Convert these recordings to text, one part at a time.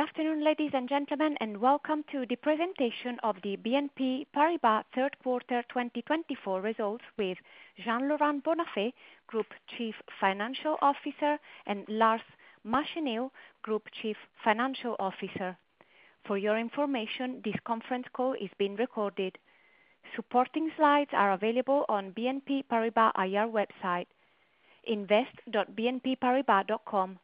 Good afternoon, ladies and gentlemen, and welcome to the presentation of the BNP Paribas third quarter 2024 results with Jean-Laurent Bonnafé, Group Chief Executive Officer, and Lars Machenil, Group Chief Financial Officer. For your information, this conference call is being recorded. Supporting slides are available on the BNP Paribas IR website, invest.bnpparibas.com.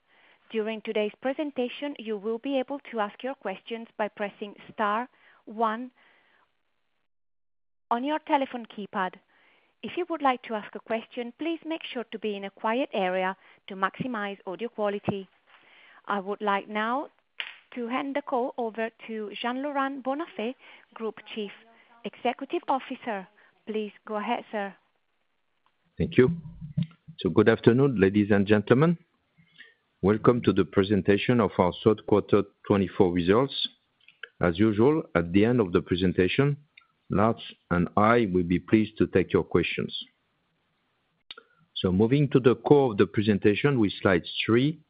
During today's presentation, you will be able to ask your questions by pressing star one on your telephone keypad. If you would like to ask a question, please make sure to be in a quiet area to maximize audio quality. I would like now to hand the call over to Jean-Laurent Bonnafé, Group Chief Executive Officer. Please go ahead, sir. Thank you. So good afternoon, ladies and gentlemen. Welcome to the presentation of our third quarter 2024 results. As usual, at the end of the presentation, Lars and I will be pleased to take your questions. So moving to the core of the presentation with slide three,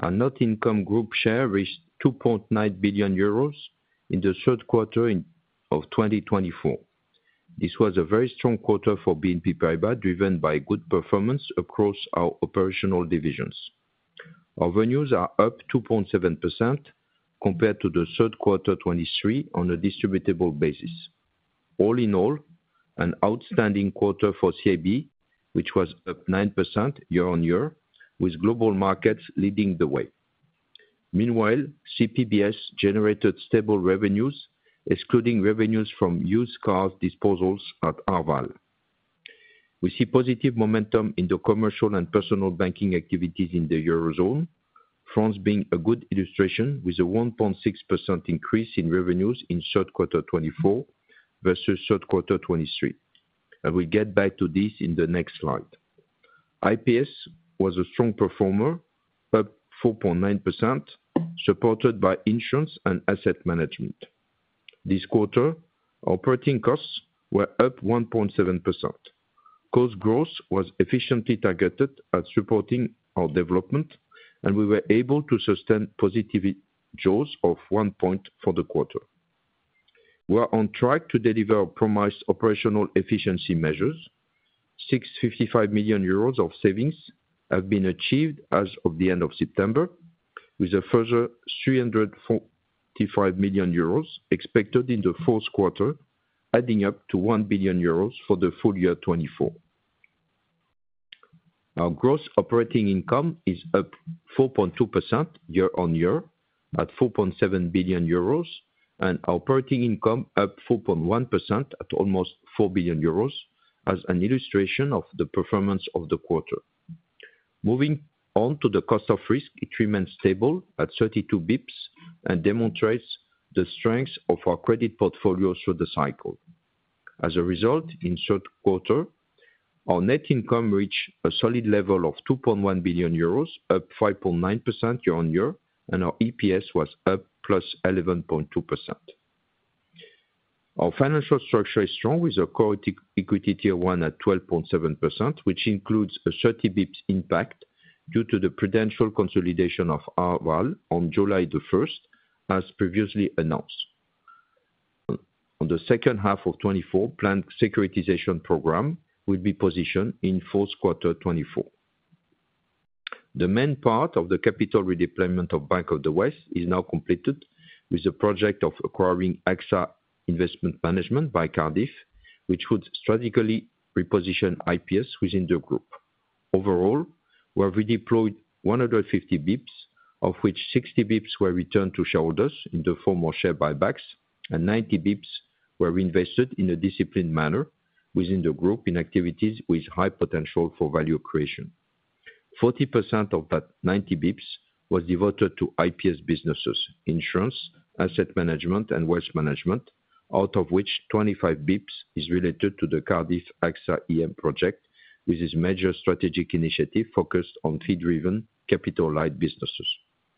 our net income group share reached 2.9 billion euros in the third quarter of 2024. This was a very strong quarter for BNP Paribas, driven by good performance across our operational divisions. Our revenues are up 2.7% compared to the third quarter 2023 on a distributable basis. All in all, an outstanding quarter for CIB, which was up 9% year on year, with Global Markets leading the way. Meanwhile, CPBS generated stable revenues, excluding revenues from used cars disposals at Arval. We see positive momentum in the Commercial and Personal Banking activities in the Eurozone, France being a good illustration with a 1.6% increase in revenues in third quarter 2024 versus third quarter 2023. I will get back to this in the next slide. IPS was a strong performer, up 4.9%, supported by Insurance and Asset Management. This quarter, operating costs were up 1.7%. Cost growth was efficiently targeted at supporting our development, and we were able to sustain positive growth of one point for the quarter. We are on track to deliver promised operational efficiency measures. 655 million euros of savings have been achieved as of the end of September, with a further 345 million euros expected in the fourth quarter, adding up to 1 billion euros for the full year 2024. Our gross operating income is up 4.2% year on year at 4.7 billion euros, and our operating income up 4.1% at almost 4 billion euros, as an illustration of the performance of the quarter. Moving on to the cost of risk, it remains stable at 32 basis points and demonstrates the strength of our credit portfolio through the cycle. As a result, in third quarter, our net income reached a solid level of 2.1 billion euros, up 5.9% year on year, and our EPS was up plus 11.2%. Our financial structure is strong with a Core Equity Tier 1 at 12.7%, which includes a 30 basis points impact due to the prudential consolidation of Arval on July the 1st, as previously announced. On the second half of 2024, planned securitization program will be positioned in fourth quarter 2024. The main part of the capital redeployment of Bank of the West is now completed, with the project of acquiring AXA Investment Managers by Cardif, which would strategically reposition IPS within the group. Overall, we have redeployed 150 basis points, of which 60 basis points were returned to shareholders in the form of share buybacks, and 90 basis points were reinvested in a disciplined manner within the group in activities with high potential for value creation. 40% of that 90 basis points was devoted to IPS businesses, Insurance, Asset Management, and Wealth Management, out of which 25 basis points is related to the Cardif AXA IM project, which is a major strategic initiative focused on fee-driven, capital-light businesses.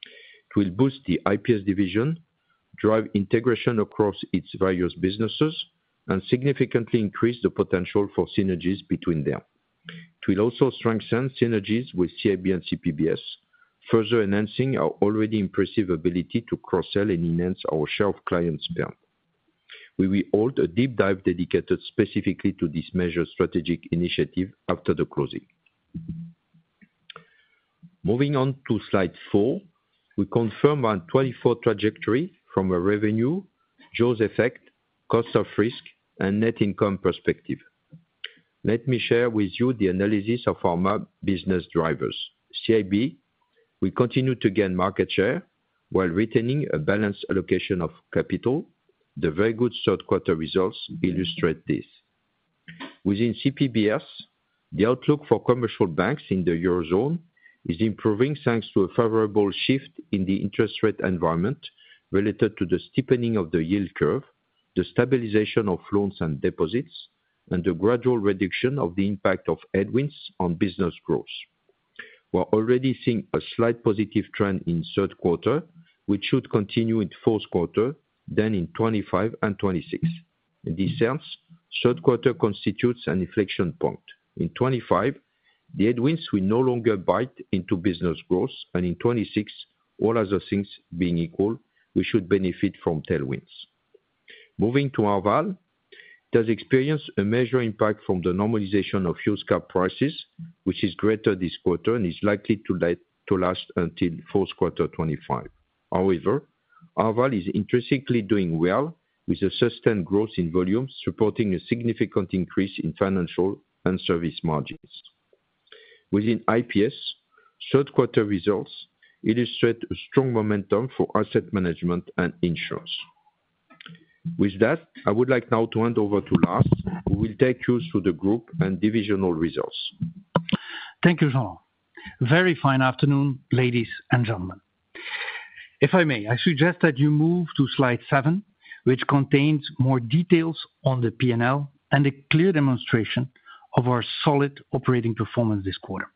It will boost the IPS division, drive integration across its various businesses, and significantly increase the potential for synergies between them. It will also strengthen synergies with CIB and CPBS, further enhancing our already impressive ability to cross-sell and enhance our share of clients' spend. We will hold a deep dive dedicated specifically to this major strategic initiative after the closing. Moving on to slide four, we confirm our 2024 trajectory from a revenue, growth effect, cost of risk, and net income perspective. Let me share with you the analysis of our business drivers. CIB, we continue to gain market share while retaining a balanced allocation of capital. The very good third quarter results illustrate this. Within CPBS, the outlook for commercial banks in the eurozone is improving thanks to a favorable shift in the interest rate environment related to the steepening of the yield curve, the stabilization of loans and deposits, and the gradual reduction of the impact of headwinds on business growth. We are already seeing a slight positive trend in third quarter, which should continue in fourth quarter, then in 2025 and 2026. In this sense, third quarter constitutes an inflection point. In 2025, the headwinds will no longer bite into business growth, and in 2026, all other things being equal, we should benefit from tailwinds. Moving to Arval, it has experienced a major impact from the normalization of used car prices, which is greater this quarter and is likely to last until fourth quarter 2025. However, Arval is interestingly doing well with a sustained growth in volumes, supporting a significant increase in financial and service margins. Within IPS, third quarter results illustrate a strong momentum for Asset Management and Insurance. With that, I would like now to hand over to Lars, who will take you through the group and divisional results. Thank you, Jean-Laurent. Very fine afternoon, ladies and gentlemen. If I may, I suggest that you move to slide seven, which contains more details on the P&L and a clear demonstration of our solid operating performance this quarter.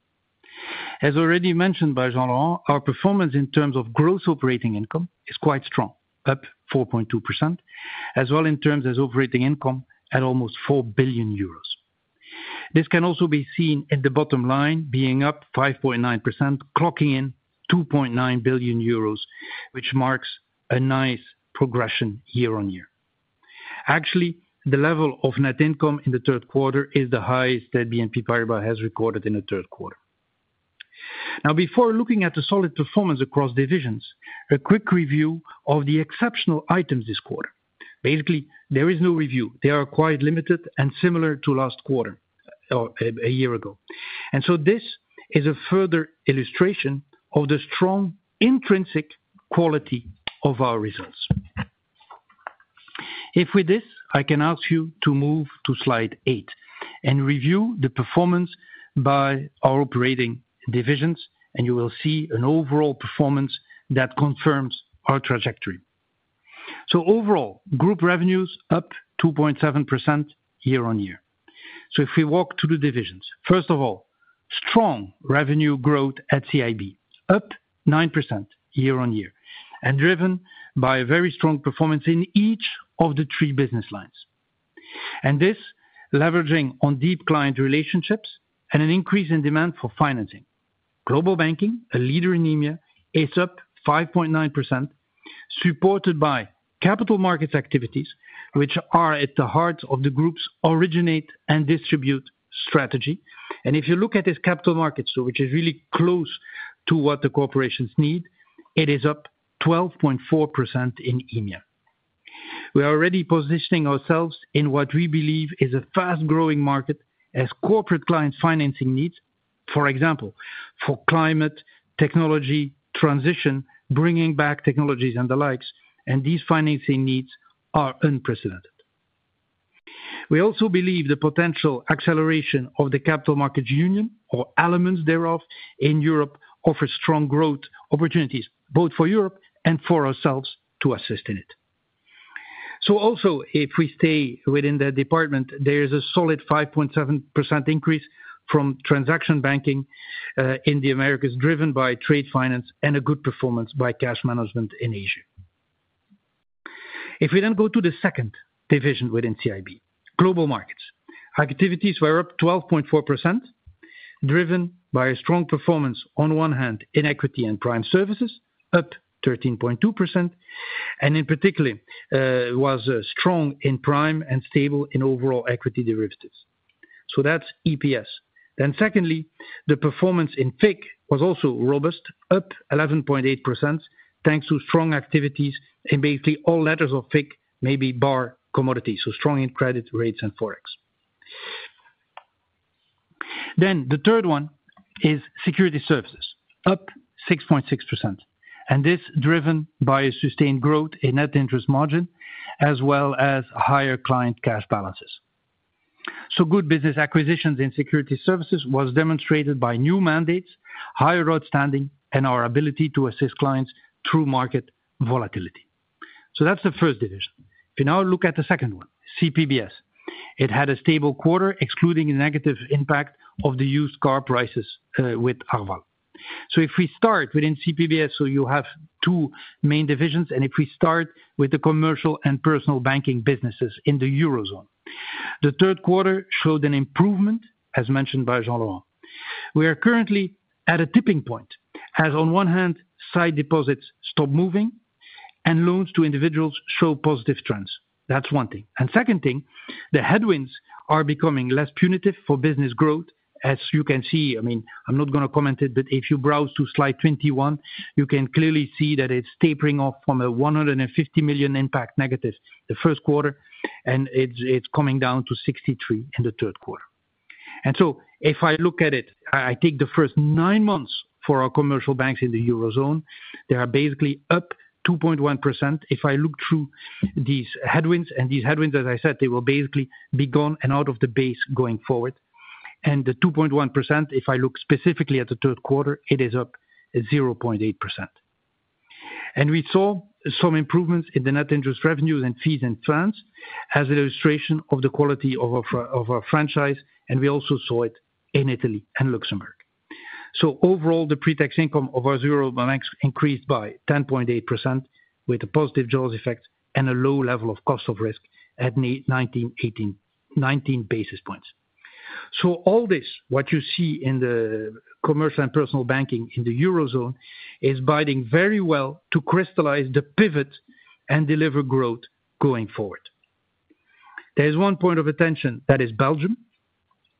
As already mentioned by Jean-Laurent, our performance in terms of gross operating income is quite strong, up 4.2%, as well in terms as operating income at almost 4 billion euros. This can also be seen in the bottom line being up 5.9%, clocking in 2.9 billion euros, which marks a nice progression year on year. Actually, the level of net income in the third quarter is the highest that BNP Paribas has recorded in the third quarter. Now, before looking at the solid performance across divisions, a quick review of the exceptional items this quarter. Basically, there is no review. They are quite limited and similar to last quarter or a year ago. And so this is a further illustration of the strong intrinsic quality of our results. If with this, I can ask you to move to slide eight and review the performance by our operating divisions, and you will see an overall performance that confirms our trajectory. So overall, group revenues up 2.7% year on year. So if we walk through the divisions, first of all, strong revenue growth at CIB, up 9% year on year, and driven by a very strong performance in each of the three business lines. And this leveraging on deep client relationships and an increase in demand for financing. Global Banking, a leader in India, is up 5.9%, supported by capital markets activities, which are at the heart of the group's originate and distribute strategy. And if you look at its capital markets, which is really close to what the corporations need, it is up 12.4% in India. We are already positioning ourselves in what we believe is a fast-growing market as corporate clients' financing needs, for example, for climate, technology, transition, bringing back technologies and the likes, and these financing needs are unprecedented. We also believe the potential acceleration of the Capital Markets Union, or elements thereof, in Europe offers strong growth opportunities, both for Europe and for ourselves to assist in it. So also, if we stay within that department, there is a solid 5.7% increase from transaction banking in the Americas, driven by trade finance and a good performance by cash management in Asia. If we then go to the second division within CIB, Global Markets, activities were up 12.4%, driven by a strong performance on one hand in Equity and Prime Services, up 13.2%, and in particular, was strong in prime and stable in overall equity derivatives. So that's EPS. Then secondly, the performance in FIC was also robust, up 11.8%, thanks to strong activities in basically all letters of FIC, maybe bar commodities, so strong in credit rates and forex. Then the third one is Securities Services, up 6.6%, and this driven by a sustained growth in net interest margin, as well as higher client cash balances. So good business acquisitions in Securities Services were demonstrated by new mandates, higher outstanding, and our ability to assist clients through market volatility. So that's the first division. If we now look at the second one, CPBS, it had a stable quarter, excluding the negative impact of the used car prices with Arval. So if we start within CPBS, so you have two main divisions, and if we start with the Commercial and Personal Banking businesses in the eurozone, the third quarter showed an improvement, as mentioned by Jean-Laurent. We are currently at a tipping point, as on one hand, deposits stop moving, and loans to individuals show positive trends. That's one thing. And second thing, the headwinds are becoming less punitive for business growth, as you can see. I mean, I'm not going to comment it, but if you browse to slide 21, you can clearly see that it's tapering off from a 150 million impact negative the first quarter, and it's coming down to 63 million in the third quarter. So if I look at it, I take the first nine months for our commercial banks in the Eurozone, they are basically up 2.1%. If I look through these headwinds, and these headwinds, as I said, they will basically be gone and out of the base going forward. And the 2.1%, if I look specifically at the third quarter, it is up 0.8%. And we saw some improvements in the net interest revenues and fees and funds as an illustration of the quality of our franchise, and we also saw it in Italy and Luxembourg. So overall, the pre-tax income of our Eurobanks increased by 10.8% with a positive jaws effect and a low level of cost of risk at 19 basis points. All this, what you see in the Commercial and Personal Banking in the Eurozone, is boding very well to crystallize the pivot and deliver growth going forward. There is one point of attention that is Belgium,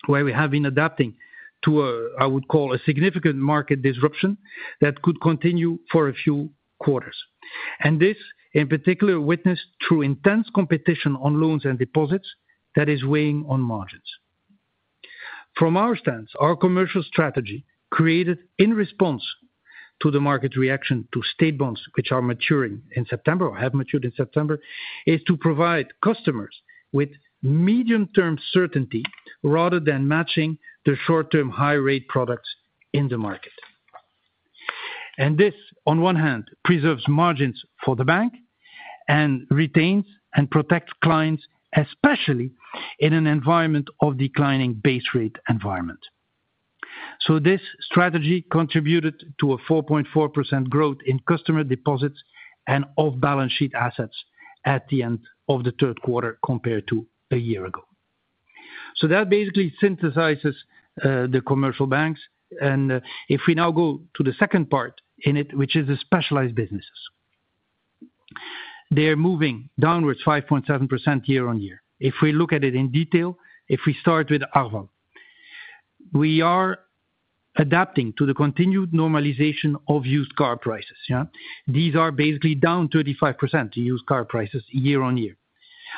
where we have been adapting to, I would call, a significant market disruption that could continue for a few quarters. This, in particular, is witnessed through intense competition on loans and deposits that is weighing on margins. From our standpoint, our commercial strategy created in response to the market reaction to state bonds, which are maturing in September or have matured in September, is to provide customers with medium-term certainty rather than matching the short-term high-rate products in the market. This, on one hand, preserves margins for the bank and retains and protects clients, especially in a declining base rate environment. This strategy contributed to a 4.4% growth in customer deposits and off-balance sheet assets at the end of the third quarter compared to a year ago. That basically synthesizes the commercial banks. If we now go to the second part in it, which is the specialized businesses, they're moving downwards 5.7% year on year. If we look at it in detail, if we start with Arval, we are adapting to the continued normalization of used car prices. These are basically down 35% year on year to used car prices.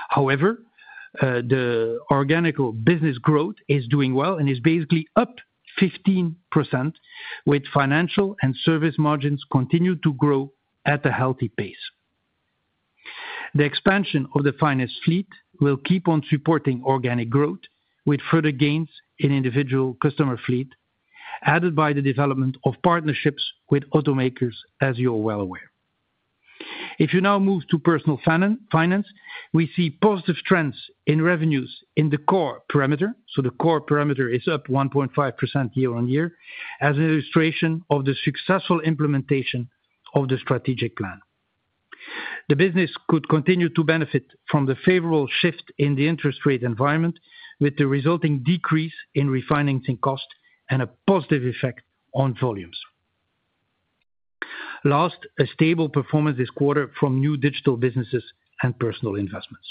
However, the organic business growth is doing well and is basically up 15%, with financial and service margins continuing to grow at a healthy pace. The expansion of the finance fleet will keep on supporting organic growth with further gains in individual customer fleet, added by the development of partnerships with automakers, as you are well aware. If you now move to Personal Finance, we see positive trends in revenues in the core perimeter. So the core perimeter is up 1.5% year on year, as an illustration of the successful implementation of the strategic plan. The business could continue to benefit from the favorable shift in the interest rate environment, with the resulting decrease in refinancing costs and a positive effect on volumes. Last, a stable performance this quarter from new digital businesses and personal investments.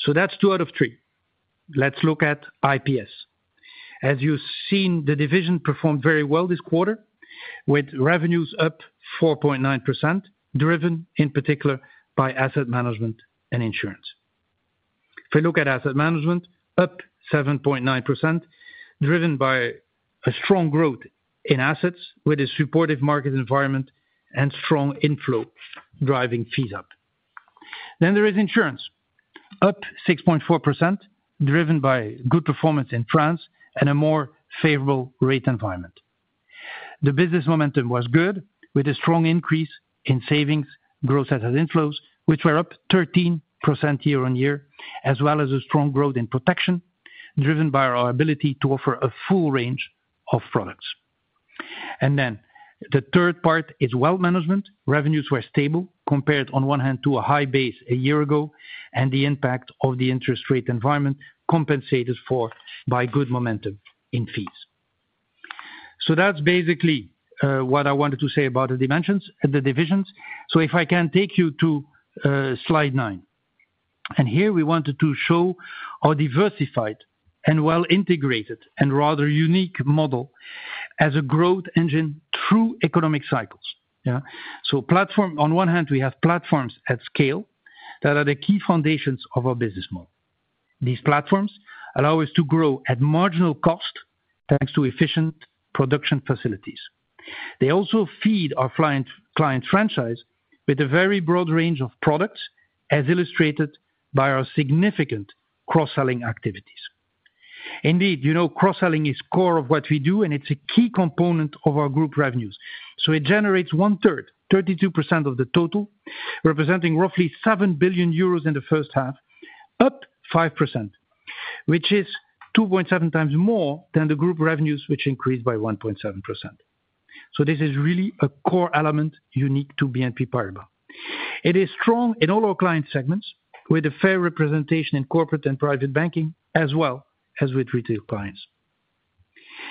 So that's two out of three. Let's look at IPS. As you've seen, the division performed very well this quarter, with revenues up 4.9%, driven in particular by Asset Management and Insurance. If we look at Asset Management, up 7.9%, driven by a strong growth in assets, with a supportive market environment and strong inflow driving fees up. Then there is Insurance, up 6.4%, driven by good performance in France and a more favorable rate environment. The business momentum was good, with a strong increase in savings, growth, asset inflows, which were up 13% year on year, as well as a strong growth in protection, driven by our ability to offer a full range of products. And then the third part is Wealth Management. Revenues were stable compared, on one hand, to a high base a year ago, and the impact of the interest rate environment compensated for by good momentum in fees. So that's basically what I wanted to say about the dimensions and the divisions. So if I can take you to slide nine. And here we wanted to show our diversified and well-integrated and rather unique model as a growth engine through economic cycles. So on one hand, we have platforms at scale that are the key foundations of our business model. These platforms allow us to grow at marginal cost thanks to efficient production facilities. They also feed our client franchise with a very broad range of products, as illustrated by our significant cross-selling activities. Indeed, cross-selling is core of what we do, and it's a key component of our group revenues. So it generates one-third, 32% of the total, representing roughly €7 billion in the first half, up 5%, which is 2.7 times more than the group revenues, which increased by 1.7%. So this is really a core element unique to BNP Paribas. It is strong in all our client segments, with a fair representation in corporate and private banking, as well as with retail clients.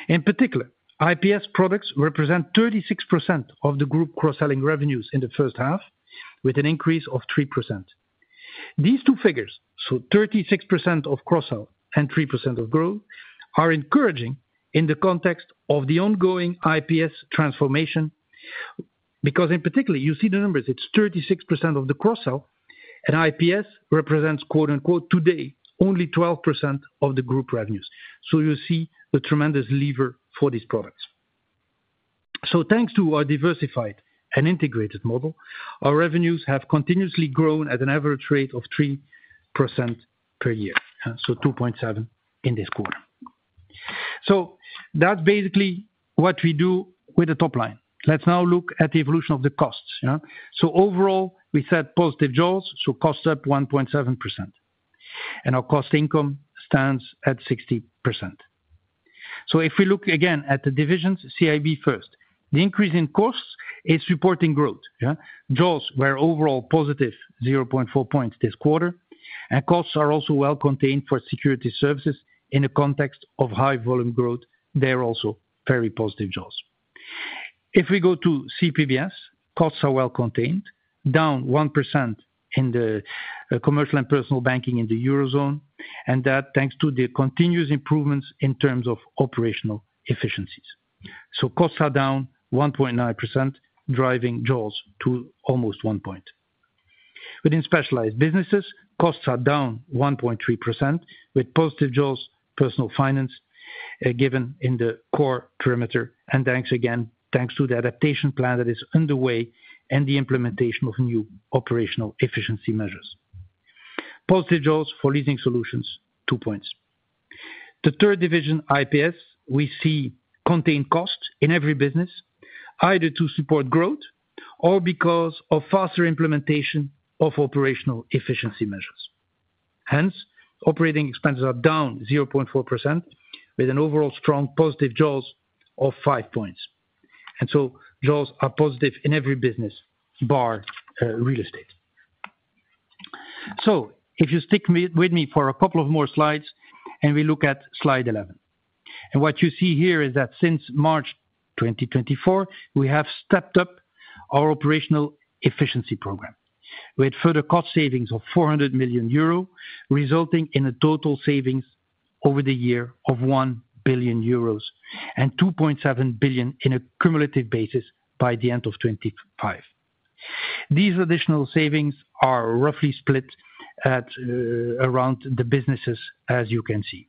In particular, IPS products represent 36% of the group cross-selling revenues in the first half, with an increase of 3%. These two figures, so 36% of cross-sell and 3% of growth, are encouraging in the context of the ongoing IPS transformation, because in particular, you see the numbers. It's 36% of the cross-sell, and IPS represents, quote-unquote, today, only 12% of the group revenues. So you see the tremendous leverage for these products. So thanks to our diversified and integrated model, our revenues have continuously grown at an average rate of 3% per year, so 2.7% in this quarter. So that's basically what we do with the top line. Let's now look at the evolution of the costs. So overall, we said positive jaws, so costs up 1.7%, and our cost income stands at 60%. So if we look again at the divisions, CIB first, the increase in costs is supporting growth. Jaws were overall positive, 0.4 points this quarter, and costs are also well-contained for Securities Services in the context of high volume growth. They're also very positive jaws. If we go to CPBS, costs are well-contained, down 1% in Commercial and Personal Banking in the Eurozone, and that thanks to the continuous improvements in terms of operational efficiencies. So costs are down 1.9%, driving jaws to almost 1 point. Within specialized businesses, costs are down 1.3%, with positive jaws, Personal Finance given in the core perimeter, and thanks again, thanks to the adaptation plan that is underway and the implementation of new operational efficiency measures. Positive jaws for Leasing Solutions, two points. The third division, IPS, we see contained costs in every business, either to support growth or because of faster implementation of operational efficiency measures. Hence, operating expenses are down 0.4%, with an overall strong positive jaws of five points. Jaws are positive in every business, bar Real Estate. If you stick with me for a couple of more slides, and we look at slide 11. What you see here is that since March 2024, we have stepped up our operational efficiency program. We had further cost savings of 400 million euro, resulting in a total savings over the year of 1 billion euros and 2.7 billion on a cumulative basis by the end of 2025. These additional savings are roughly split at around the businesses, as you can see.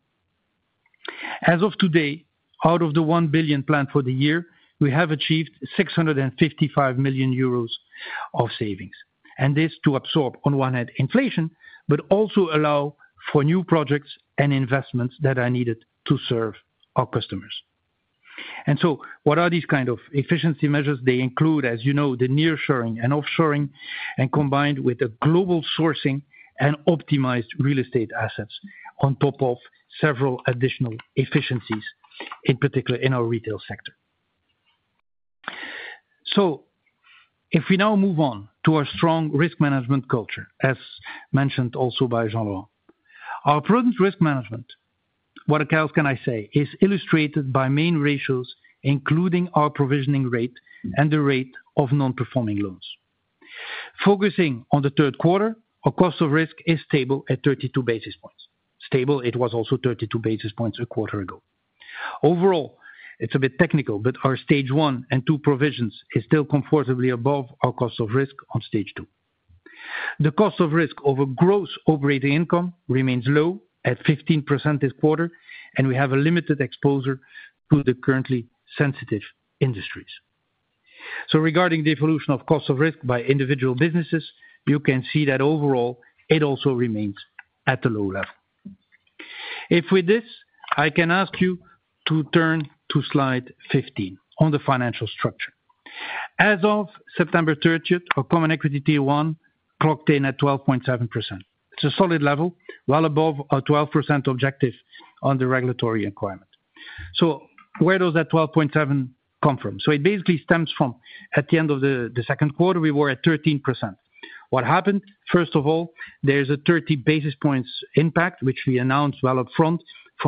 As of today, out of the 1 billion planned for the year, we have achieved 655 million euros of savings, and this to absorb, on one hand, inflation, but also allow for new projects and investments that are needed to serve our customers. And so what are these kind of efficiency measures? They include, as you know, the near-shoring and offshoring, and combined with global sourcing and optimized Real Estate assets on top of several additional efficiencies, in particular in our retail sector. So if we now move on to our strong risk management culture, as mentioned also by Jean-Laurent, our prudent risk management, what else can I say, is illustrated by main ratios, including our provisioning rate and the rate of non-performing loans. Focusing on the third quarter, our cost of risk is stable at 32 basis points. Stable, it was also 32 basis points a quarter ago. Overall, it's a bit technical, but our stage one and two provisions are still comfortably above our cost of risk on stage two. The cost of risk over gross operating income remains low at 15% this quarter, and we have a limited exposure to the currently sensitive industries. So regarding the evolution of cost of risk by individual businesses, you can see that overall, it also remains at a low level. If with this, I can ask you to turn to slide 15 on the financial structure. As of September 30th, our Common Equity Tier 1 clocked in at 12.7%. It's a solid level, well above our 12% objective on the regulatory requirement. So where does that 12.7% come from? So it basically stems from at the end of the second quarter, we were at 13%. What happened? First of all, there's a 30 basis points impact, which we announced well upfront from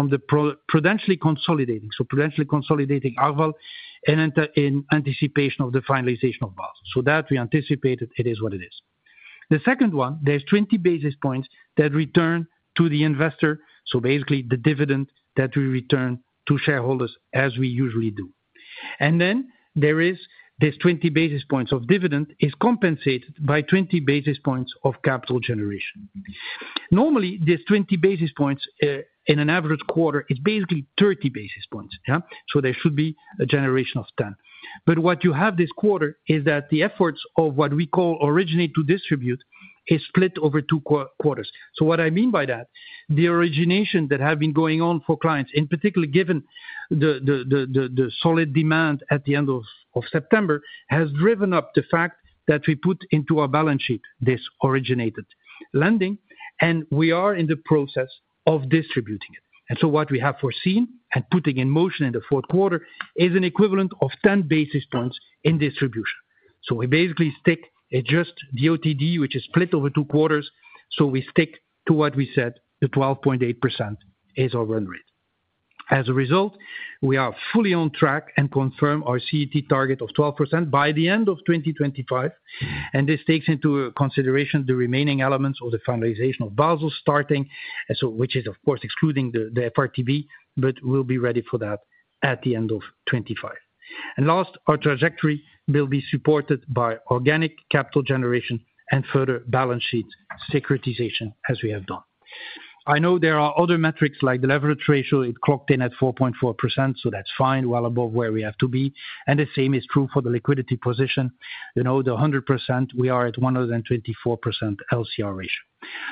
the prudentially consolidating, so prudentially consolidating Arval in anticipation of the finalization of Basel III. So that we anticipated it is what it is. The second one, there's 20 basis points that return to the investor, so basically the dividend that we return to shareholders as we usually do. And then there is this 20 basis points of dividend is compensated by 20 basis points of capital generation. Normally, this 20 basis points in an average quarter, it's basically 30 basis points. So there should be a generation of 10. But what you have this quarter is that the efforts of what we call originate to distribute is split over two quarters. So what I mean by that, the origination that has been going on for clients, in particular given the solid demand at the end of September, has driven up the fact that we put into our balance sheet this originated lending, and we are in the process of distributing it. And so what we have foreseen and putting in motion in the fourth quarter is an equivalent of 10 basis points in distribution. So we basically stick at just the OTD, which is split over two quarters. So we stick to what we said, the 12.8% is our run rate. As a result, we are fully on track and confirm our CET1 target of 12% by the end of 2025. And this takes into consideration the remaining elements of the finalization of Basel, which is, of course, excluding the FRTB, but we'll be ready for that at the end of 2025. And last, our trajectory will be supported by organic capital generation and further balance sheet securitization, as we have done. I know there are other metrics like the leverage ratio; it clocked in at 4.4%, so that's fine, well above where we have to be. And the same is true for the liquidity position. The 100%, we are at 124% LCR ratio.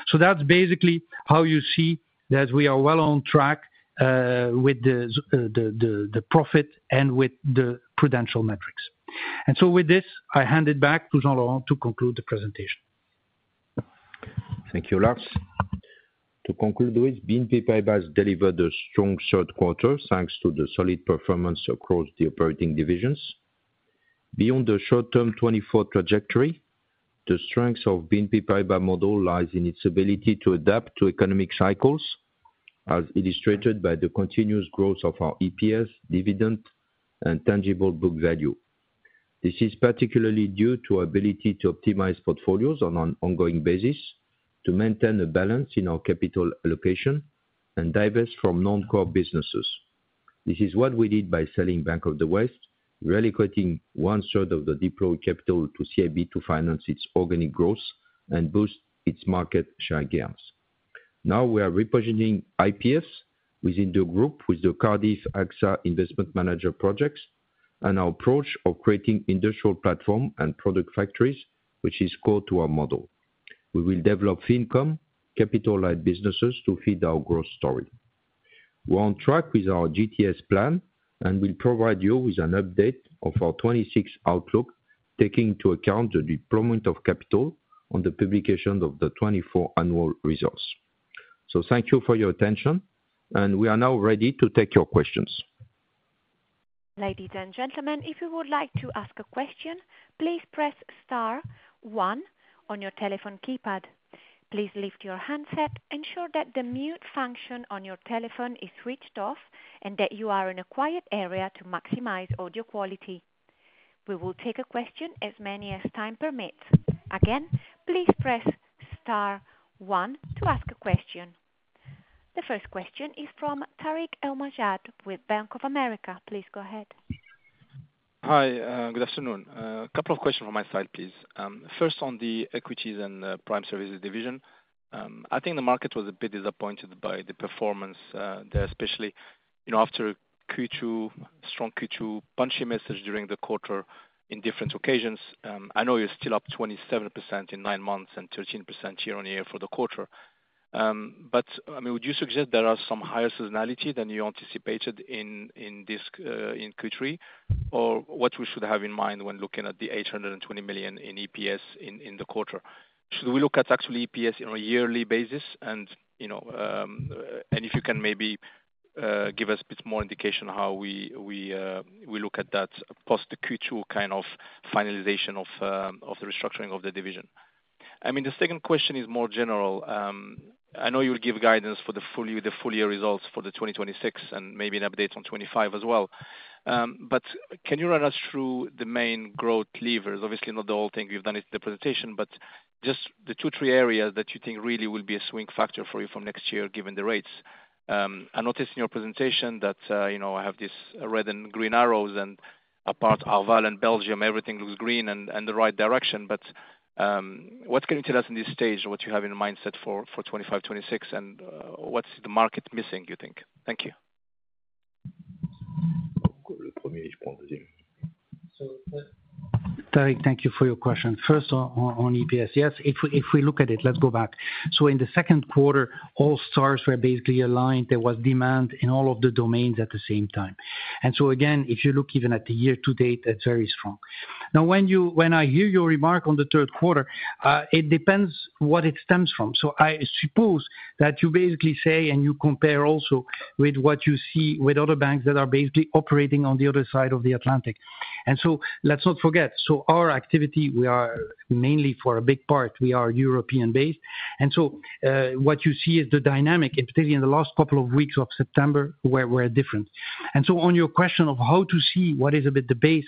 So that's basically how you see that we are well on track with the profit and with the prudential metrics. And so with this, I hand it back to Jean-Laurent to conclude the presentation. Thank you, Lars. To conclude with, BNP Paribas delivered a strong third quarter thanks to the solid performance across the operating divisions. Beyond the short-term 2024 trajectory, the strength of BNP Paribas model lies in its ability to adapt to economic cycles, as illustrated by the continuous growth of our EPS, dividend, and tangible book value. This is particularly due to our ability to optimize portfolios on an ongoing basis, to maintain a balance in our capital allocation, and divest from non-core businesses. This is what we did by selling Bank of the West, relocating one-third of the deployed capital to CIB to finance its organic growth and boost its market share gains. Now we are repositioning IPS within the group with the Cardif AXA Investment Managers projects and our approach of creating industrial platform and product factories, which is core to our model. We will develop income capital-like businesses to feed our growth story. We're on track with our GTS plan, and we'll provide you with an update of our 2026 outlook taking into account the deployment of capital on the publication of the 2024 annual results. So thank you for your attention, and we are now ready to take your questions. Ladies and gentlemen, if you would like to ask a question, please press star one on your telephone keypad. Please lift your handset, ensure that the mute function on your telephone is switched off, and that you are in a quiet area to maximize audio quality. We will take as many questions as time permits. Again, please press star one to ask a question. The first question is from Tarik El Mejjad with Bank of America. Please go ahead. Hi, good afternoon. A couple of questions from my side, please. First, on the equities and prime services division, I think the market was a bit disappointed by the performance there, especially after a strong Q2 punchy message during the quarter in different occasions. I know you're still up 27% in nine months and 13% year on year for the quarter. But I mean, would you suggest there are some higher seasonality than you anticipated in Q3, or what we should have in mind when looking at the 820 million in EPS in the quarter? Should we look at actually EPS on a yearly basis? And if you can maybe give us a bit more indication of how we look at that post-Q2 kind of finalization of the restructuring of the division. I mean, the second question is more general. I know you'll give guidance for the full year results for the 2026 and maybe an update on 2025 as well. But can you run us through the main growth levers? Obviously, not the whole thing we've done in the presentation, but just the two or three areas that you think really will be a swing factor for you from next year given the rates. I noticed in your presentation that I have these red and green arrows, and apart from Arval and Belgium, everything looks green and the right direction. But what can you tell us in this stage, what you have in mindset for 2025, 2026, and what's the market missing, do you think? Thank you. Tarik, thank you for your question. First, on EPS, yes, if we look at it, let's go back. So in the second quarter, all stars were basically aligned. There was demand in all of the domains at the same time. And so again, if you look even at the year to date, that's very strong. Now, when I hear your remark on the third quarter, it depends what it stems from. So I suppose that you basically say, and you compare also with what you see with other banks that are basically operating on the other side of the Atlantic. And so let's not forget, so our activity, mainly for a big part, we are European-based. And so what you see is the dynamic, and particularly in the last couple of weeks of September, where we're different. And so on your question of how to see what is a bit the base,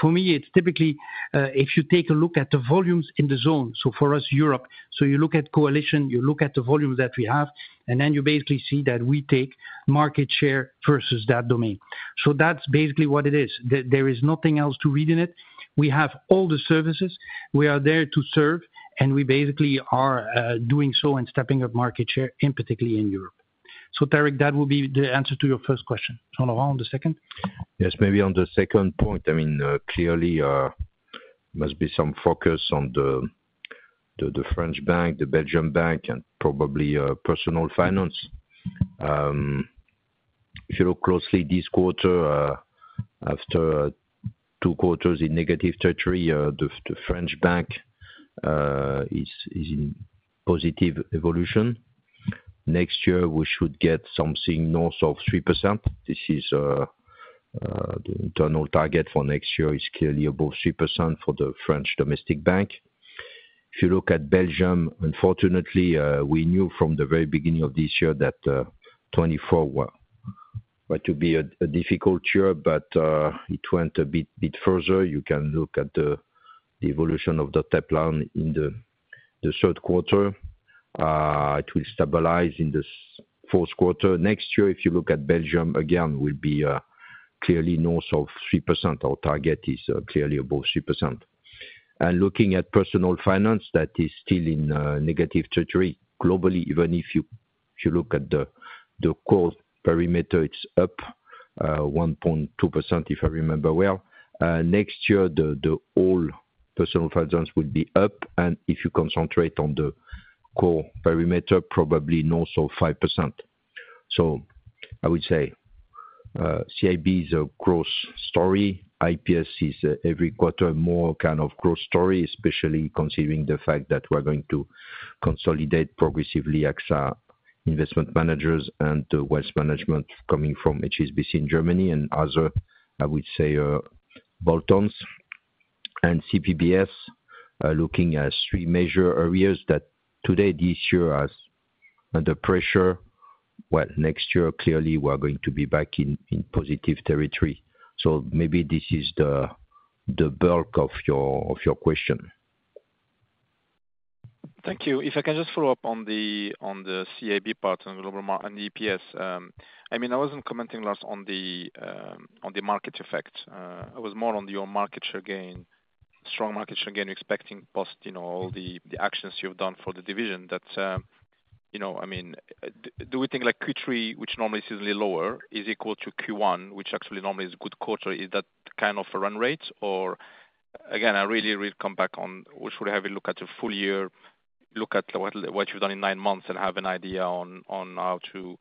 for me, it's typically if you take a look at the volumes in the zone, so for us, Europe. You look at Coalition Greenwich. You look at the volume that we have, and then you basically see that we take market share versus that domain. That's basically what it is. There is nothing else to read in it. We have all the services. We are there to serve, and we basically are doing so and stepping up market share, in particular in Europe. Tarik, that will be the answer to your first question. Jean-Laurent, on the second? Yes, maybe on the second point. I mean, clearly, there must be some focus on the French Bank, the Belgian Bank, and probably Personal Finance. If you look closely this quarter, after two quarters in negative territory, the French Bank is in positive evolution. Next year, we should get something north of 3%. This is the internal target for next year, is clearly above 3% for the French domestic bank. If you look at Belgium, unfortunately, we knew from the very beginning of this year that 2024 was to be a difficult year, but it went a bit further. You can look at the evolution of the pipeline in the third quarter. It will stabilize in the fourth quarter. Next year, if you look at Belgium again, we'll be clearly north of 3%. Our target is clearly above 3%. And looking at Personal Finance, that is still in negative territory globally. Even if you look at the core perimeter, it's up 1.2%, if I remember well. Next year, the whole Personal Finance will be up. And if you concentrate on the core perimeter, probably north of 5%. So I would say CIB is a growth story. IPS is every quarter more kind of growth story, especially considering the fact that we're going to consolidate progressively AXA Investment Managers and the Wealth Management coming from HSBC in Germany and other, I would say, bolt-ons. And CPBS, looking at three major areas that today, this year, under pressure, well, next year, clearly, we're going to be back in positive territory. So maybe this is the bulk of your question. Thank you. If I can just follow up on the CIB part and EPS. I mean, I wasn't commenting, Lars, on the market effect. It was more on your market share gain, strong market share gain, expecting post all the actions you've done for the division. I mean, do we think Q3, which normally is usually lower, is equal to Q1, which actually normally is a good quarter? Is that kind of a run rate? Or again, I really need to come back on. We should have a look at the full year, look at what you've done in nine months and have an idea on how to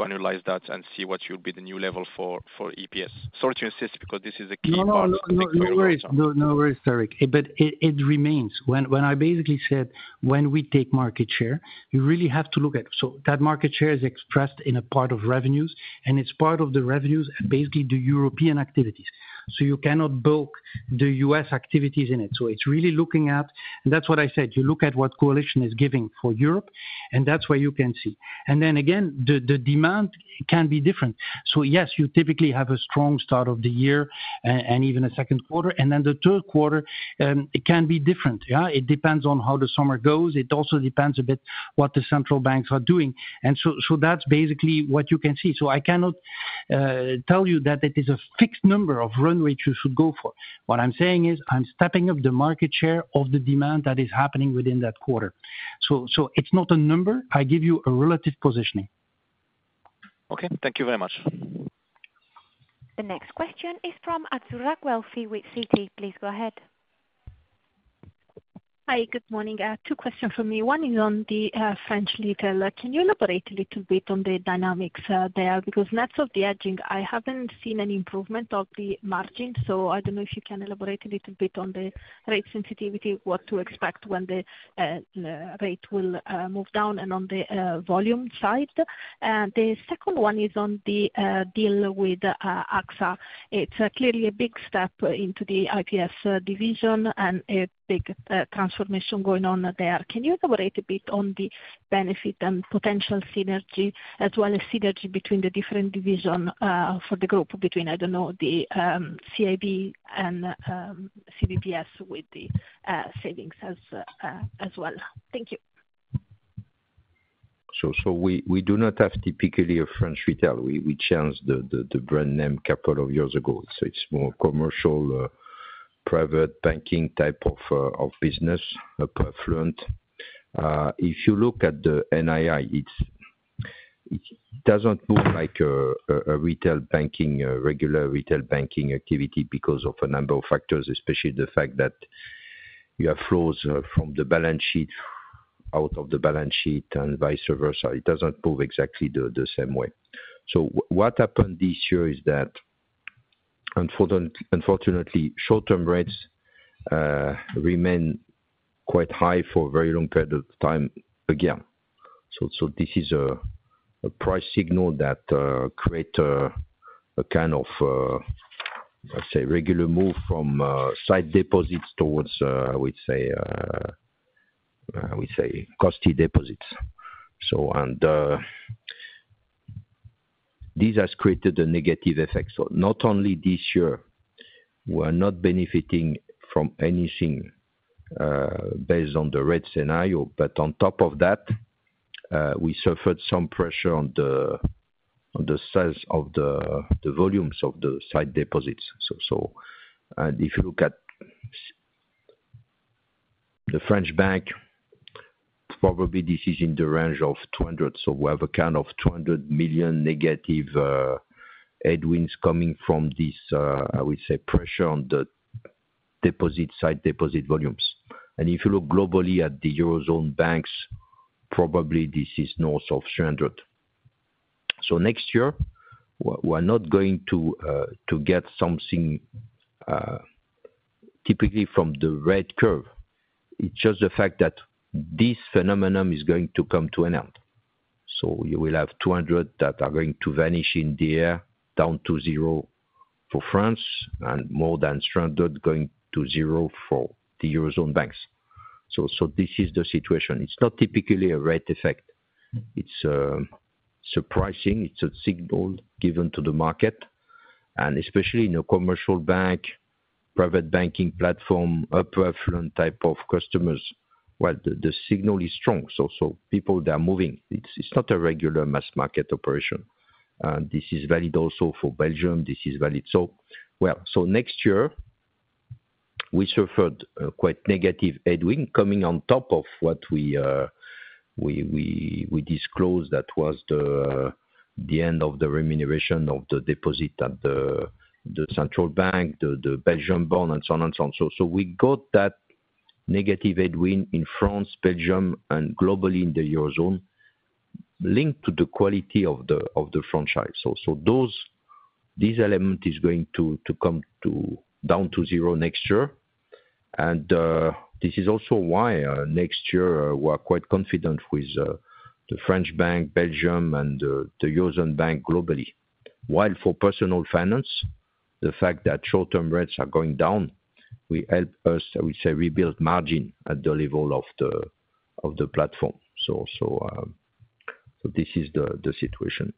analyze that and see what will be the new level for EPS. Sorry to insist because this is a key part. No, no worries. No worries, Tarik. But it remains. When I basically said, when we take market share, you really have to look at it. So that market share is expressed in a part of revenues, and it's part of the revenues and basically the European activities. So you cannot lump the U.S. activities in it. So it's really looking at, and that's what I said, you look at what Coalition is giving for Europe, and that's where you can see. And then again, the demand can be different. So yes, you typically have a strong start of the year and even a second quarter. And then the third quarter, it can be different. It depends on how the summer goes. It also depends a bit what the central banks are doing. And so that's basically what you can see. So I cannot tell you that it is a fixed number of run rates you should go for. What I'm saying is I'm stepping up the market share of the demand that is happening within that quarter. So it's not a number. I give you a relative positioning. Okay. Thank you very much. The next question is from Azzurra Guelfi with Citi. Please go ahead. Hi, good morning. Two questions for me. One is on the French retail. Can you elaborate a little bit on the dynamics there? Because net of the hedging, I haven't seen any improvement of the margin. So I don't know if you can elaborate a little bit on the rate sensitivity, what to expect when the rate will move down, and on the volume side. The second one is on the deal with AXA. It's clearly a big step into the IPS division and a big transformation going on there. Can you elaborate a bit on the benefit and potential synergy, as well as synergy between the different divisions for the group, between, I don't know, the CIB and CPBS with the savings as well? Thank you. So we do not have typically a French retail. We changed the brand name a couple of years ago. So it's more commercial, private banking type of business, affluent. If you look at the NII, it doesn't look like a regular retail banking activity because of a number of factors, especially the fact that you have flows from the balance sheet out of the balance sheet and vice versa. It doesn't move exactly the same way. So what happened this year is that, unfortunately, short-term rates remain quite high for a very long period of time again. So this is a price signal that creates a kind of, I'd say, regular move from sight deposits towards, I would say, costly deposits. And these have created a negative effect. So not only this year, we're not benefiting from anything based on the rate scenario, but on top of that, we suffered some pressure on the size of the volumes of the sight deposits. And if you look at the French bank, probably this is in the range of 200. We have a kind of 200 million negative headwinds coming from this, I would say, pressure on the deposit side, deposit volumes. And if you look globally at the Eurozone banks, probably this is north of 300. So next year, we're not going to get something typically from the red curve. It's just the fact that this phenomenon is going to come to an end. So you will have 200 that are going to vanish in the air down to zero for France and more than 300 going to zero for the Eurozone banks. So this is the situation. It's not typically a rate effect. It's surprising. It's a signal given to the market. And especially in a commercial bank, private banking platform, upper affluent type of customers, well, the signal is strong. So people, they're moving. It's not a regular mass market operation. This is valid also for Belgium. This is valid. So next year, we suffered quite negative headwind coming on top of what we disclosed that was the end of the remuneration of the deposit at the central bank, the Belgian bond, and so on and so on. So we got that negative headwind in France, Belgium, and globally in the Eurozone, linked to the quality of the franchise. So these elements are going to come down to zero next year. And this is also why next year, we're quite confident with the French bank, Belgium, and the Eurozone bank globally. While for Personal Finance, the fact that short-term rates are going down, we help us, I would say, rebuild margin at the level of the platform. So this is the situation.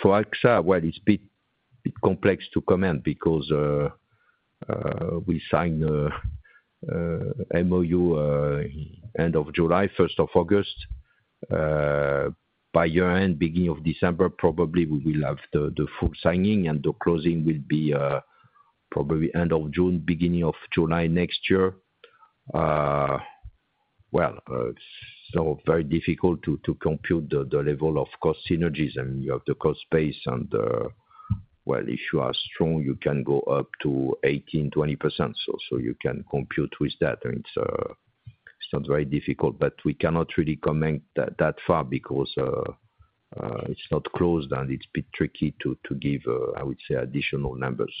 For AXA, well, it's a bit complex to comment because we signed the MOU end of July, 1st of August. By year-end, beginning of December, probably we will have the full signing, and the closing will be probably end of June, beginning of July next year. It's very difficult to compute the level of cost synergies. I mean, you have the cost base and, well, if you are strong, you can go up to 18%-20%. So you can compute with that. It's not very difficult, but we cannot really comment that far because it's not closed, and it's a bit tricky to give, I would say, additional numbers.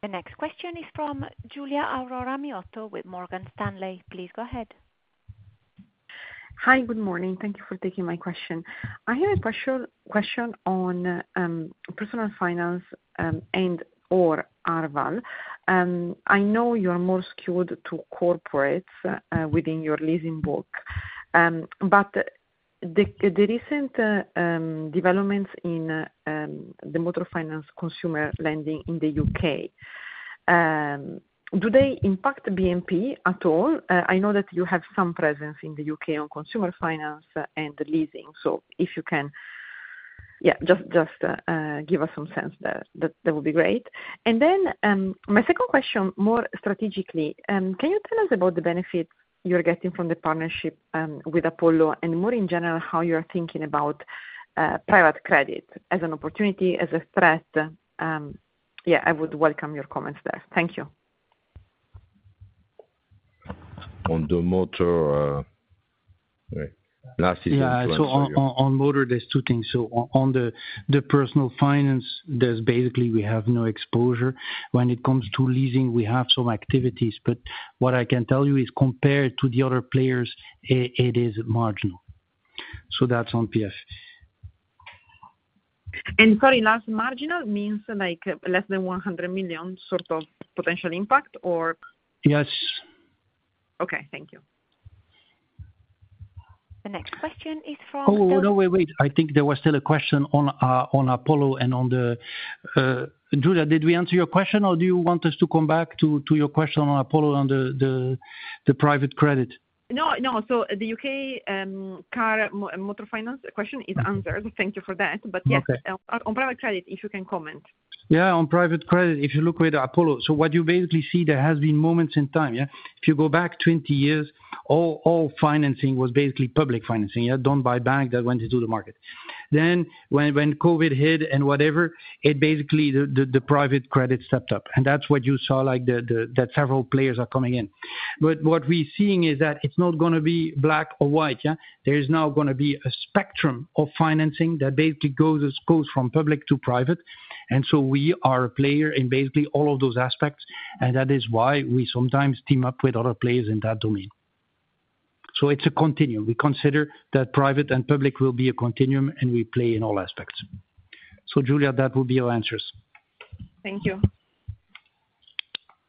The next question is from Giulia Aurora Miotto with Morgan Stanley. Please go ahead. Hi, good morning. Thank you for taking my question. I have a question on Personal Finance and/or Arval. I know you're more skewed to corporates within your leasing book, but the recent developments in the motor finance consumer lending in the UK, do they impact BNP at all? I know that you have some presence in the UK on consumer finance and leasing. So if you can, yeah, just give us some sense there. That would be great. And then my second question, more strategically, can you tell us about the benefits you're getting from the partnership with Apollo and, more in general, how you're thinking about private credit as an opportunity, as a threat? Yeah, I would welcome your comments there. Thank you. On the motor, Lars, is it? Yeah. So on motor, there's two things. So on the Personal Finance, there's basically we have no exposure. When it comes to leasing, we have some activities. But what I can tell you is, compared to the other players, it is marginal. So that's on PF. And sorry, Lars, marginal means less than 100 million sort of potential impact, or? Yes. Okay. Thank you. The next question is from. Oh, no, wait, wait. I think there was still a question on Apollo and on the Giulia, did we answer your question, or do you want us to come back to your question on Apollo and the private credit? No, no. So the UK car motor finance question is answered. Thank you for that. But yes, on private credit, if you can comment. Yeah. On private credit, if you look with Apollo, so what you basically see, there has been moments in time, yeah? If you go back 20 years, all financing was basically public financing, yeah? Non-bank that went into the market. Then, when COVID hit and whatever, it basically the private credit stepped up. And that's what you saw, that several players are coming in. But what we're seeing is that it's not going to be black or white, yeah? There is now going to be a spectrum of financing that basically goes from public to private. And so we are a player in basically all of those aspects. And that is why we sometimes team up with other players in that domain. So it's a continuum. We consider that private and public will be a continuum, and we play in all aspects. So Giulia, that would be your answers. Thank you.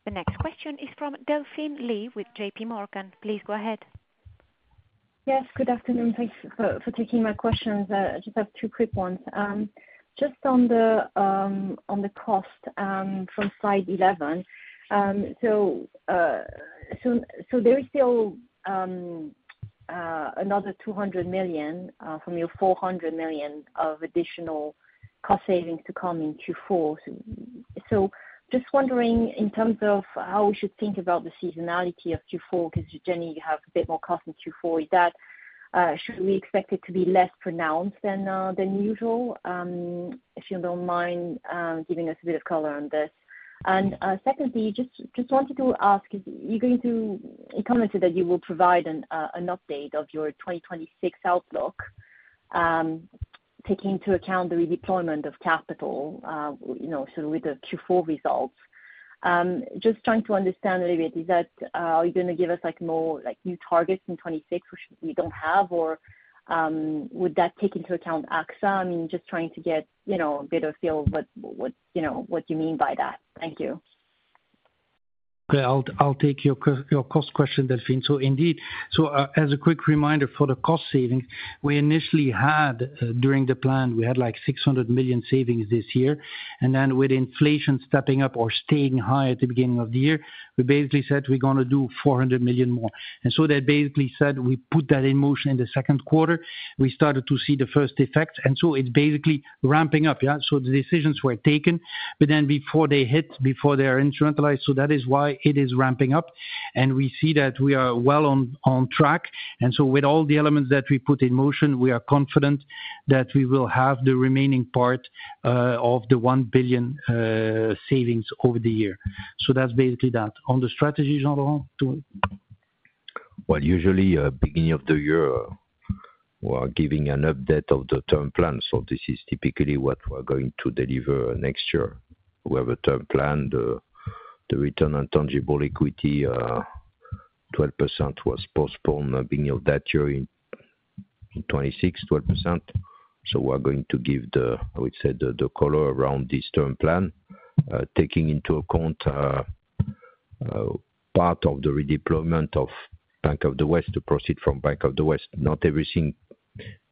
The next question is from Delphine Lee with JPMorgan. Please go ahead. Yes. Good afternoon. Thanks for taking my questions. I just have two quick ones. Just on the cost from slide 11, so there is still another 200 million from your 400 million of additional cost savings to come in Q4. So just wondering in terms of how we should think about the seasonality of Q4, because generally, you have a bit more cost in Q4. Should we expect it to be less pronounced than usual? If you don't mind giving us a bit of color on this. And secondly, just wanted to ask, you are going to comment that you will provide an update of your 2026 outlook, taking into account the redeployment of capital, so with the Q4 results. Just trying to understand a little bit, are you going to give us more new targets in 2026, which we don't have, or would that take into account AXA? I mean, just trying to get a bit of feel of what you mean by that. Thank you. Okay. I'll take your cost question, Delphine. So indeed, so as a quick reminder for the cost savings, we initially had, during the plan, we had like 600 million savings this year. And then with inflation stepping up or staying high at the beginning of the year, we basically said we're going to do 400 million more. And so that basically said we put that in motion in the second quarter. We started to see the first effects. And so it's basically ramping up, yeah? So the decisions were taken, but then before they hit, before they are instrumentalized, so that is why it is ramping up. And we see that we are well on track. And so with all the elements that we put in motion, we are confident that we will have the remaining part of the 1 billion savings over the year. That's basically that. On the strategies on the whole? Well, usually at the beginning of the year, we're giving an update of the term plan. This is typically what we're going to deliver next year. We have a term plan, the return on tangible equity 12% was postponed at the beginning of that year in 2026, 12%. So we're going to give, I would say, the color around this term plan, taking into account part of the redeployment of Bank of the West to proceed from Bank of the West. Not everything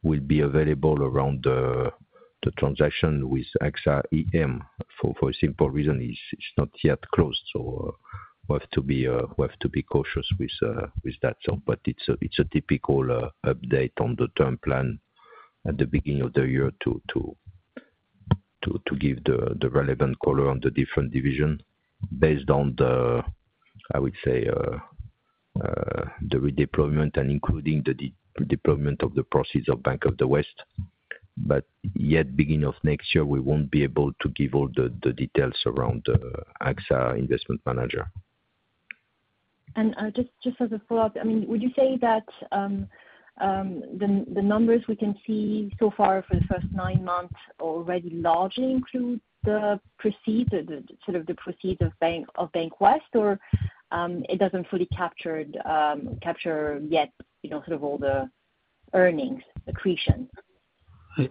will be available around the transaction with AXA IM for a simple reason. It's not yet closed. So we have to be cautious with that. But it's a typical update on the term plan at the beginning of the year to give the relevant color on the different division based on the, I would say, the redeployment and including the deployment of the proceeds of Bank of the West. But yet, beginning of next year, we won't be able to give all the details around AXA Investment Managers. And just as a follow-up, I mean, would you say that the numbers we can see so far for the first nine months already largely include the proceeds, sort of the proceeds of Bank of the West, or it doesn't fully capture yet sort of all the earnings, accretion?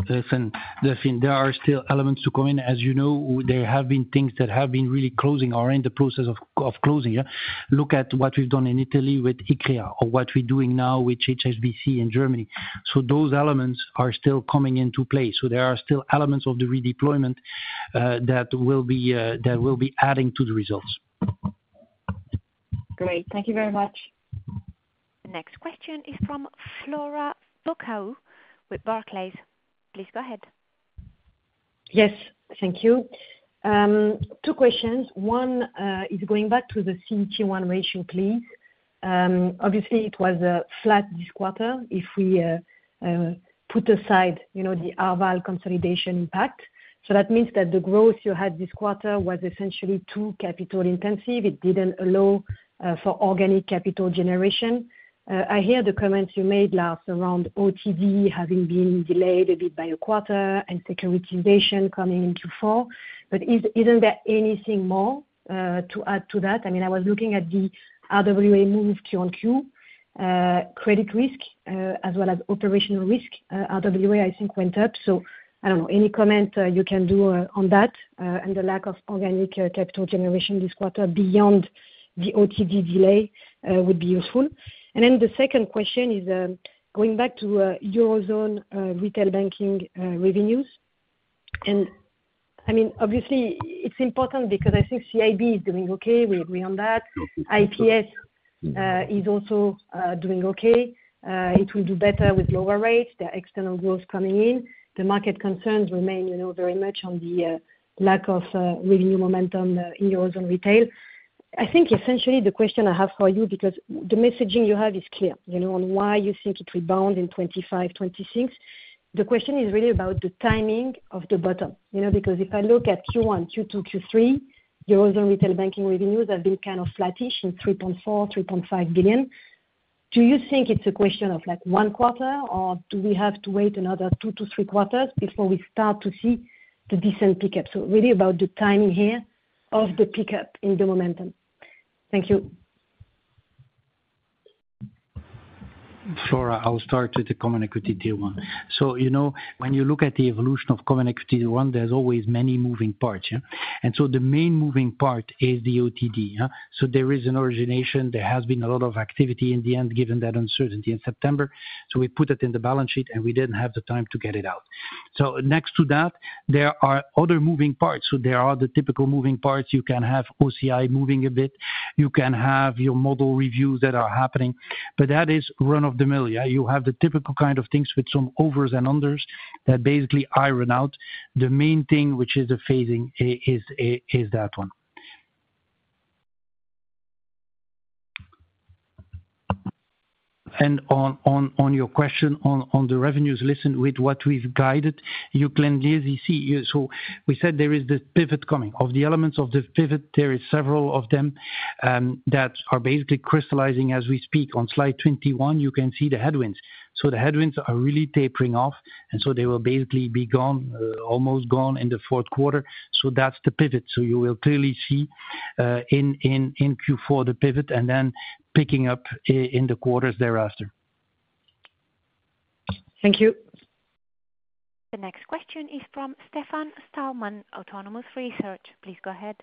Listen, Delphine, there are still elements to come in. As you know, there have been things that have been really closing or in the process of closing, yeah? Look at what we've done in Italy with Iccrea or what we're doing now with HSBC in Germany. So those elements are still coming into play. So there are still elements of the redeployment that will be adding to the results. Great. Thank you very much. The next question is from Flora Bocahut with Barclays. Please go ahead. Yes. Thank you. Two questions. One is going back to the CET1 ratio, please. Obviously, it was flat this quarter if we put aside the Arval consolidation impact. So that means that the growth you had this quarter was essentially too capital-intensive. It didn't allow for organic capital generation. I hear the comments you made, Lars, around OTD having been delayed a bit by a quarter and securitization coming in Q4. But isn't there anything more to add to that? I mean, I was looking at the RWA move to counterparty credit risk as well as operational risk. RWA, I think, went up. So I don't know. Any comment you can do on that? And the lack of organic capital generation this quarter beyond the OTD delay would be useful. And then the second question is going back to Eurozone retail banking revenues. And I mean, obviously, it's important because I think CIB is doing okay. We agree on that. IPS is also doing okay. It will do better with lower rates. The external growth coming in. The market concerns remain very much on the lack of revenue momentum in Eurozone retail. I think essentially the question I have for you, because the messaging you have is clear on why you think it rebounds in 2025, 2026. The question is really about the timing of the bottom. Because if I look at Q1, Q2, Q3, Eurozone retail banking revenues have been kind of flattish in 3.4 billion, 3.5 billion. Do you think it's a question of one quarter, or do we have to wait another two to three quarters before we start to see the decent pickup? So really about the timing here of the pickup in the momentum. Thank you. Flora, I'll start with the Common Equity Tier 1. So when you look at the evolution of Common Equity Tier 1, there's always many moving parts, yeah? And so the main moving part is the OTD, yeah? So there is an origination. There has been a lot of activity in the end given that uncertainty in September. So we put it in the balance sheet, and we didn't have the time to get it out. So next to that, there are other moving parts. So there are the typical moving parts. You can have OCI moving a bit. You can have your model reviews that are happening. But that is run of the mill, yeah? You have the typical kind of things with some overs and unders that basically iron out. The main thing, which is the phasing, is that one. And on your question on the revenues, listen, with what we've guided, you can easily see. So we said there is this pivot coming. Of the elements of the pivot, there are several of them that are basically crystallizing as we speak. On slide 21, you can see the headwinds. So the headwinds are really tapering off. And so they will basically be gone, almost gone in the fourth quarter. So that's the pivot. So you will clearly see in Q4 the pivot and then picking up in the quarters thereafter. Thank you. The next question is from Stefan Stalmann, Autonomous Research. Please go ahead.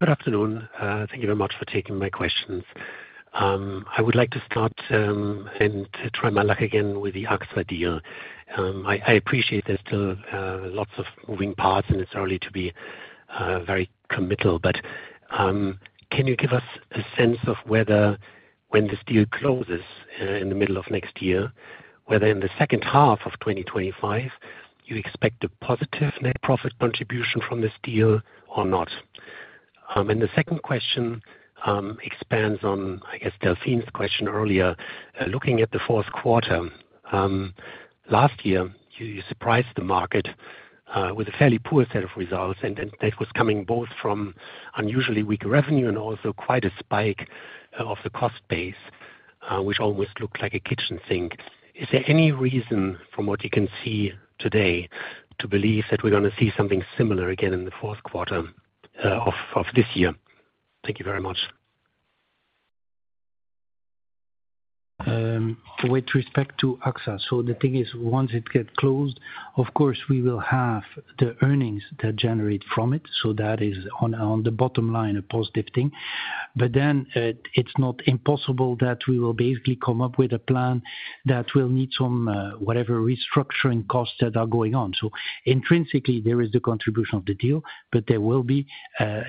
Good afternoon. Thank you very much for taking my questions. I would like to start and try my luck again with the AXA deal. I appreciate there's still lots of moving parts, and it's early to be very committal. But can you give us a sense of whether, when this deal closes in the middle of next year, whether in the second half of 2025, you expect a positive net profit contribution from this deal or not? And the second question expands on, I guess, Delphine's question earlier. Looking at the fourth quarter, last year, you surprised the market with a fairly poor set of results. And that was coming both from unusually weak revenue and also quite a spike of the cost base, which almost looked like a kitchen sink. Is there any reason from what you can see today to believe that we're going to see something similar again in the fourth quarter of this year? Thank you very much. With respect to AXA, so the thing is, once it gets closed, of course, we will have the earnings that generate from it. So that is on the bottom line, a positive thing. But then it's not impossible that we will basically come up with a plan that will need some whatever restructuring costs that are going on. So intrinsically, there is the contribution of the deal, but there will be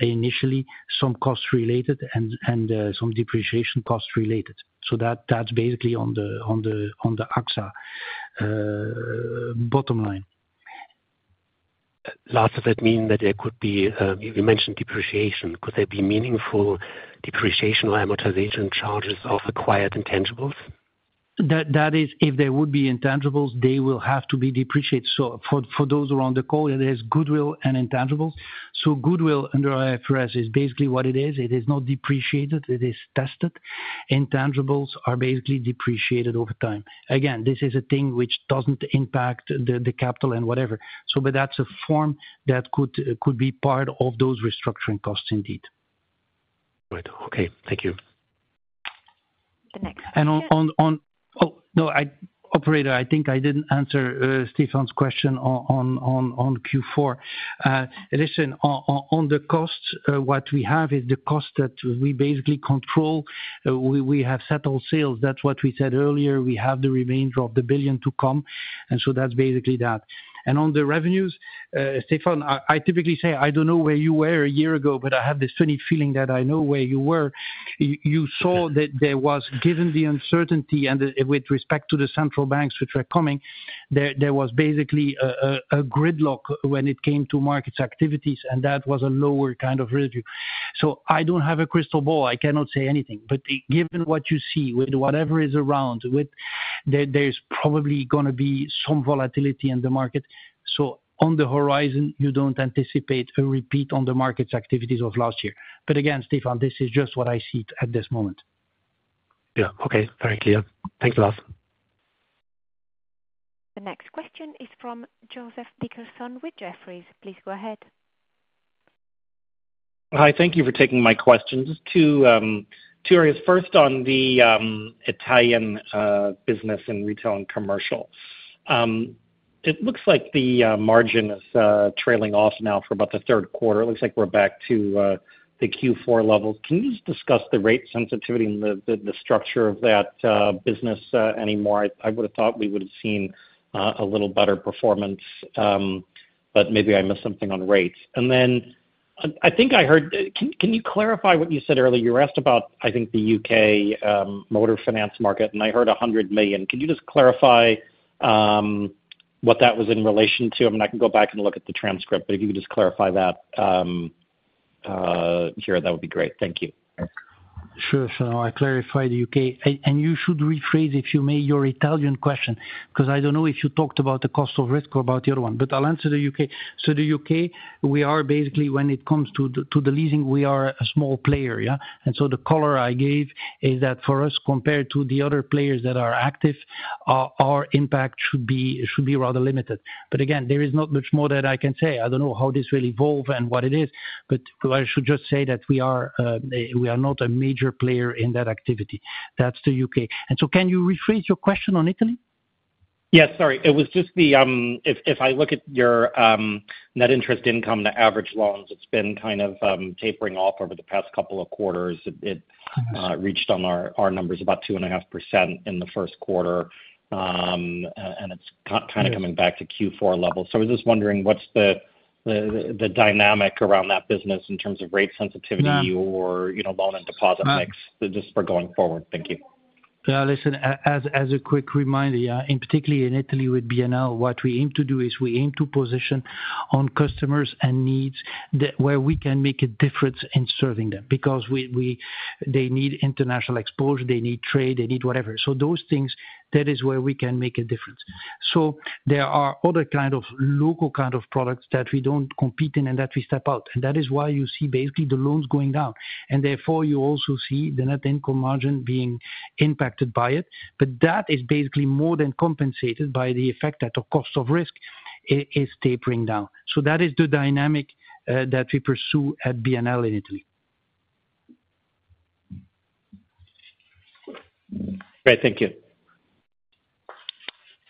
initially some cost-related and some depreciation cost-related. So that's basically on the AXA bottom line. Lars, does that mean that there could be, you mentioned depreciation, could there be meaningful depreciation or amortization charges of acquired intangibles? That is, if there would be intangibles, they will have to be depreciated. So for those around the call, there's goodwill and intangibles. So goodwill, under IFRS, is basically what it is. It is not depreciated. It is tested. Intangibles are basically depreciated over time. Again, this is a thing which doesn't impact the capital and whatever. So, but that's a form that could be part of those restructuring costs, indeed. Right. Okay. Thank you. The next question. Oh, no, Operator, I think I didn't answer Stefan's question on Q4. Listen, on the costs, what we have is the cost that we basically control. We have settled sales. That's what we said earlier. We have the remainder of the billion to come. And so that's basically that. And on the revenues, Stefan, I typically say, "I don't know where you were a year ago, but I have this funny feeling that I know where you were." You saw that there was, given the uncertainty and with respect to the central banks which were coming, there was basically a gridlock when it came to markets' activities, and that was a lower kind of revenue. So I don't have a crystal ball. I cannot say anything. But given what you see with whatever is around, there's probably going to be some volatility in the market. So on the horizon, you don't anticipate a repeat on the markets' activities of last year. But again, Stefan, this is just what I see at this moment. Yeah. Okay. Very clear. Thanks, Lars. The next question is from Joseph Dickerson with Jefferies. Please go ahead. Hi. Thank you for taking my question. Just two areas. First, on the Italian business in retail and commercial, it looks like the margin is trailing off now for about the third quarter. It looks like we're back to the Q4 levels. Can you just discuss the rate sensitivity and the structure of that business anymore? I would have thought we would have seen a little better performance, but maybe I missed something on rates. And then I think I heard, can you clarify what you said earlier? You were asked about, I think, the UK motor finance market, and I heard 100 million. Can you just clarify what that was in relation to? I mean, I can go back and look at the transcript, but if you could just clarify that here, that would be great. Thank you. Sure. So I clarify the UK. And you should rephrase, if you may, your Italian question because I don't know if you talked about the cost of risk or about the other one, but I'll answer the U.K. So the U.K., we are basically, when it comes to the leasing, we are a small player, yeah? And so the color I gave is that for us, compared to the other players that are active, our impact should be rather limited. But again, there is not much more that I can say. I don't know how this will evolve and what it is, but I should just say that we are not a major player in that activity. That's the U.K. And so can you rephrase your question on Italy? Yes. Sorry. It was just if I look at your net interest income to average loans, it's been kind of tapering off over the past couple of quarters. It reached on our numbers about 2.5% in the first quarter, and it's kind of coming back to Q4 levels. So I was just wondering what's the dynamic around that business in terms of rate sensitivity or loan and deposit mix just for going forward? Thank you. Listen, as a quick reminder, yeah, and particularly in Italy with BNL, what we aim to do is we aim to position on customers and needs where we can make a difference in serving them because they need international exposure. They need trade. They need whatever. So those things, that is where we can make a difference. So there are other kind of local kind of products that we don't compete in and that we step out. And that is why you see basically the loans going down. And therefore, you also see the net income margin being impacted by it. But that is basically more than compensated by the effect that the cost of risk is tapering down. So that is the dynamic that we pursue at BNL in Italy. Great. Thank you.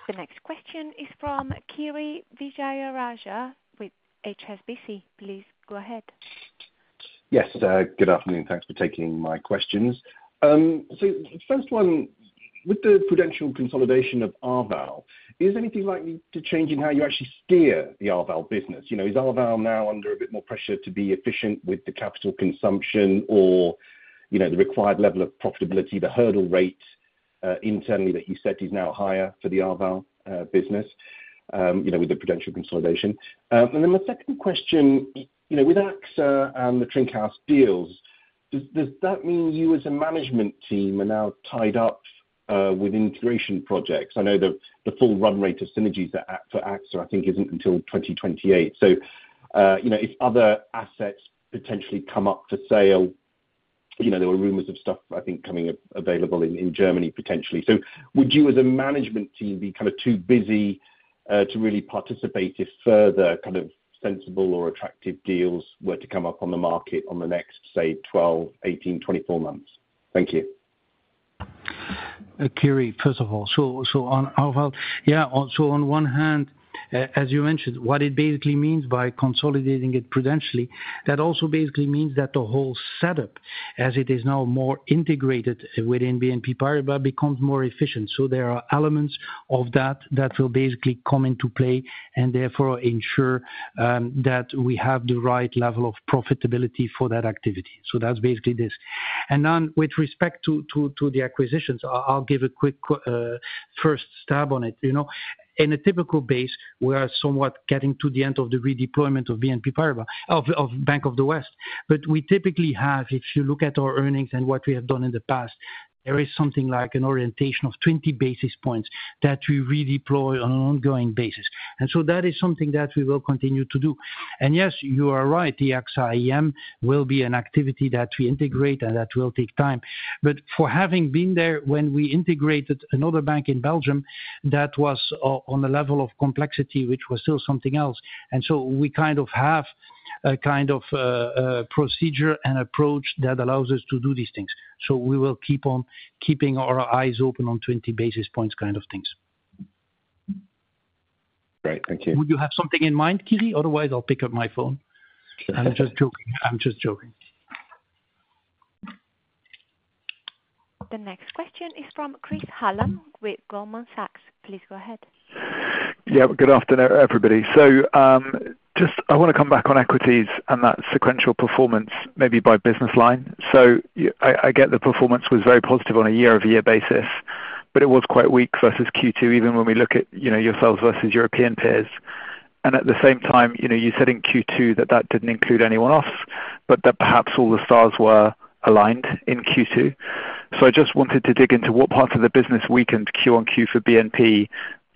The next question is from Kiri Vijayarajah with HSBC. Please go ahead. Yes. Good afternoon. Thanks for taking my questions. So first one, with the prudential consolidation of Arval, is anything likely to change in how you actually steer the Arval business? Is Arval now under a bit more pressure to be efficient with the capital consumption or the required level of profitability, the hurdle rate internally that you set is now higher for the Arval business with the prudential consolidation? And then my second question, with AXA and the Trinkaus deals, does that mean you as a management team are now tied up with integration projects? I know the full run rate of synergies for AXA, I think, isn't until 2028. So if other assets potentially come up for sale, there were rumors of stuff, I think, coming available in Germany potentially. So would you as a management team be kind of too busy to really participate if further kind of sensible or attractive deals were to come up on the market on the next, say, 12, 18, 24 months? Thank you. Kiri, first of all, so on Arval, yeah, so on one hand, as you mentioned, what it basically means by consolidating it prudentially, that also basically means that the whole setup, as it is now more integrated within BNP Paribas, becomes more efficient. So there are elements of that that will basically come into play and therefore ensure that we have the right level of profitability for that activity. So that's basically this. And then with respect to the acquisitions, I'll give a quick first stab on it. In a typical base, we are somewhat getting to the end of the redeployment of BNP Paribas, of Bank of the West. But we typically have, if you look at our earnings and what we have done in the past, there is something like an orientation of 20 basis points that we redeploy on an ongoing basis. And so that is something that we will continue to do. And yes, you are right, the AXA IM will be an activity that we integrate and that will take time. But for having been there when we integrated another bank in Belgium, that was on a level of complexity which was still something else. And so we kind of have a kind of procedure and approach that allows us to do these things. So we will keep on keeping our eyes open on 20 basis points kind of things. Great. Thank you. Would you have something in mind, Kiri? Otherwise, I'll pick up my phone. I'm just joking. I'm just joking. The next question is from Chris Hallam with Goldman Sachs. Please go ahead. Yeah. Good afternoon, everybody. So just I want to come back on equities and that sequential performance, maybe by business line. So I get the performance was very positive on a year-over-year basis, but it was quite weak versus Q2, even when we look at yourselves versus European peers. And at the same time, you said in Q2 that that didn't include anyone else, but that perhaps all the stars were aligned in Q2. So I just wanted to dig into what parts of the business weakened Q on Q for BNP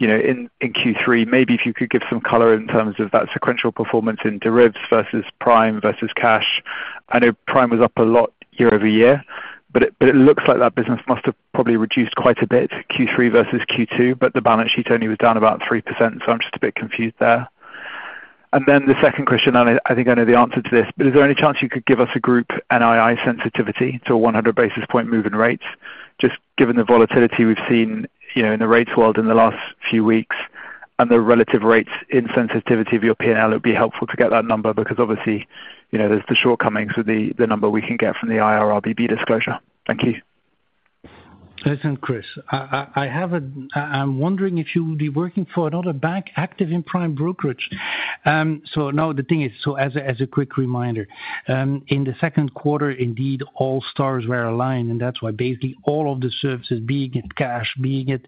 in Q3. Maybe if you could give some color in terms of that sequential performance in derivatives versus prime versus cash. I know prime was up a lot year-over-year, but it looks like that business must have probably reduced quite a bit Q3 versus Q2, but the balance sheet only was down about 3%. So I'm just a bit confused there. And then the second question, and I think I know the answer to this, but is there any chance you could give us a group NII sensitivity to a 100 basis points moving rate, just given the volatility we've seen in the rates world in the last few weeks and the relative rates in sensitivity of your P&L? It would be helpful to get that number because obviously, there's the shortcomings with the number we can get from the IRRBB disclosure. Thank you. Listen, Chris, I'm wondering if you would be working for another bank active in prime brokerage. So now the thing is, so as a quick reminder, in the second quarter, indeed, all stars were aligned, and that's why basically all of the services, be it cash, be it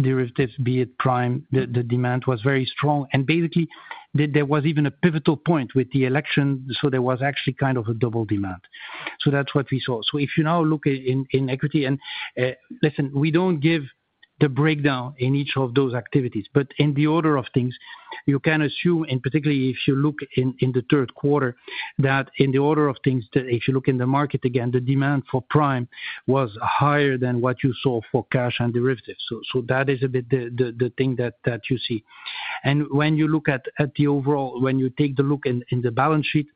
derivatives, be it prime, the demand was very strong. And basically, there was even a pivotal point with the election, so there was actually kind of a double demand. So that's what we saw. So if you now look in equity, and listen, we don't give the breakdown in each of those activities, but in the order of things, you can assume, and particularly if you look in the third quarter, that in the order of things, if you look in the market again, the demand for prime was higher than what you saw for cash and derivatives. So that is a bit the thing that you see. And when you look at the overall, when you take the look in the balance sheet,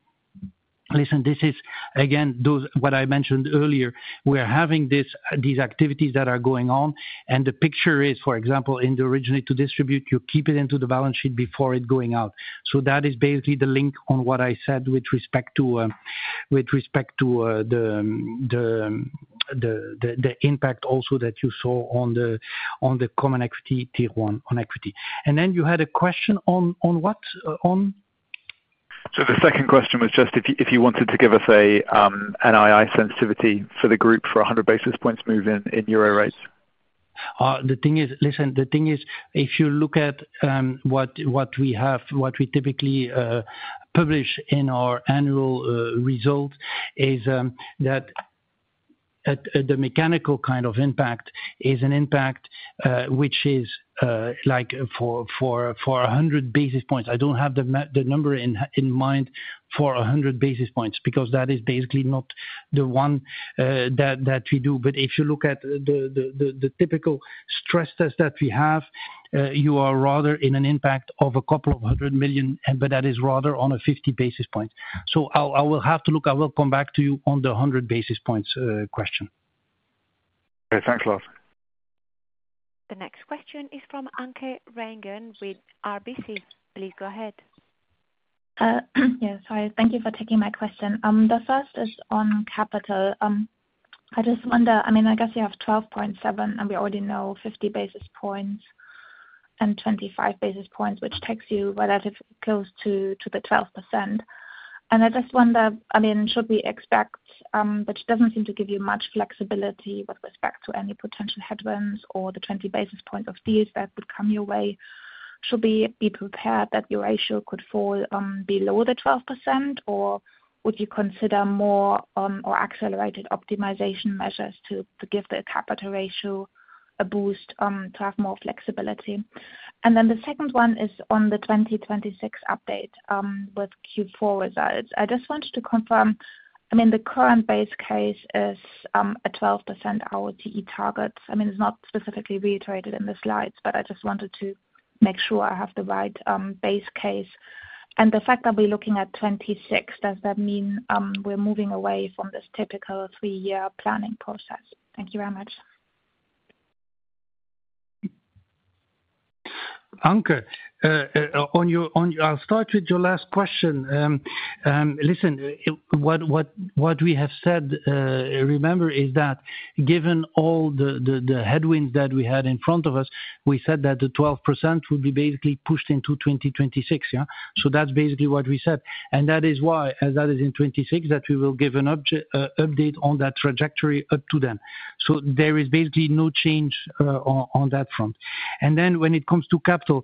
listen, this is, again, what I mentioned earlier. We are having these activities that are going on, and the picture is, for example, in the originate-to-distribute, you keep it into the balance sheet before it going out. So that is basically the link on what I said with respect to the impact also that you saw on the Common Equity Tier 1 on equity. And then you had a question on what? So the second question was just if you wanted to give us an NII sensitivity for the group for 100 basis points moving in euro rates. The thing is, listen, the thing is, if you look at what we have, what we typically publish in our annual results is that the mechanical kind of impact is an impact which is like for 100 basis points. I don't have the number in mind for 100 basis points because that is basically not the one that we do. But if you look at the typical stress test that we have, you are rather in an impact of a couple of hundred million, but that is rather on a 50 basis points. So I will have to look. I will come back to you on the 100 basis points question. Okay. Thanks, Lars. The next question is from Anke Reingen with RBC. Please go ahead. Yeah. Sorry. Thank you for taking my question. The first is on capital. I just wonder, I mean, I guess you have 12.7, and we already know 50 basis points and 25 basis points, which takes you relatively close to the 12%. I just wonder, I mean, should we expect, which doesn't seem to give you much flexibility with respect to any potential headwinds or the 20 basis points of deals that would come your way, should we be prepared that your ratio could fall below the 12%, or would you consider more or accelerated optimization measures to give the capital ratio a boost to have more flexibility? Then the second one is on the 2026 update with Q4 results. I just wanted to confirm, I mean, the current base case is a 12% ROTE target. I mean, it's not specifically reiterated in the slides, but I just wanted to make sure I have the right base case. The fact that we're looking at 26, does that mean we're moving away from this typical three-year planning process? Thank you very much. Anke, I'll start with your last question. Listen, what we have said, remember, is that given all the headwinds that we had in front of us, we said that the 12% would be basically pushed into 2026, yeah? So that's basically what we said. And that is why, as that is in 2026, that we will give an update on that trajectory up to then. So there is basically no change on that front. And then when it comes to capital,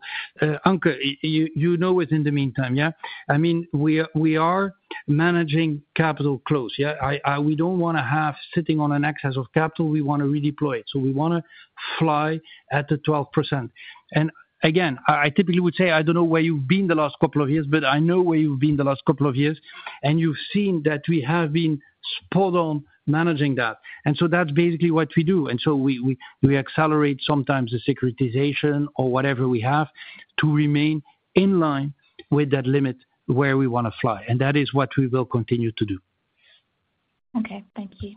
Anke, you know what's in the meantime, yeah? I mean, we are managing capital close, yeah? We don't want to have sitting on an excess of capital. We want to redeploy it. So we want to fly at the 12%. And again, I typically would say, I don't know where you've been the last couple of years, but I know where you've been the last couple of years, and you've seen that we have been spot-on managing that. And so that's basically what we do. And so we accelerate sometimes the securitization or whatever we have to remain in line with that limit where we want to fly. And that is what we will continue to do. Okay. Thank you.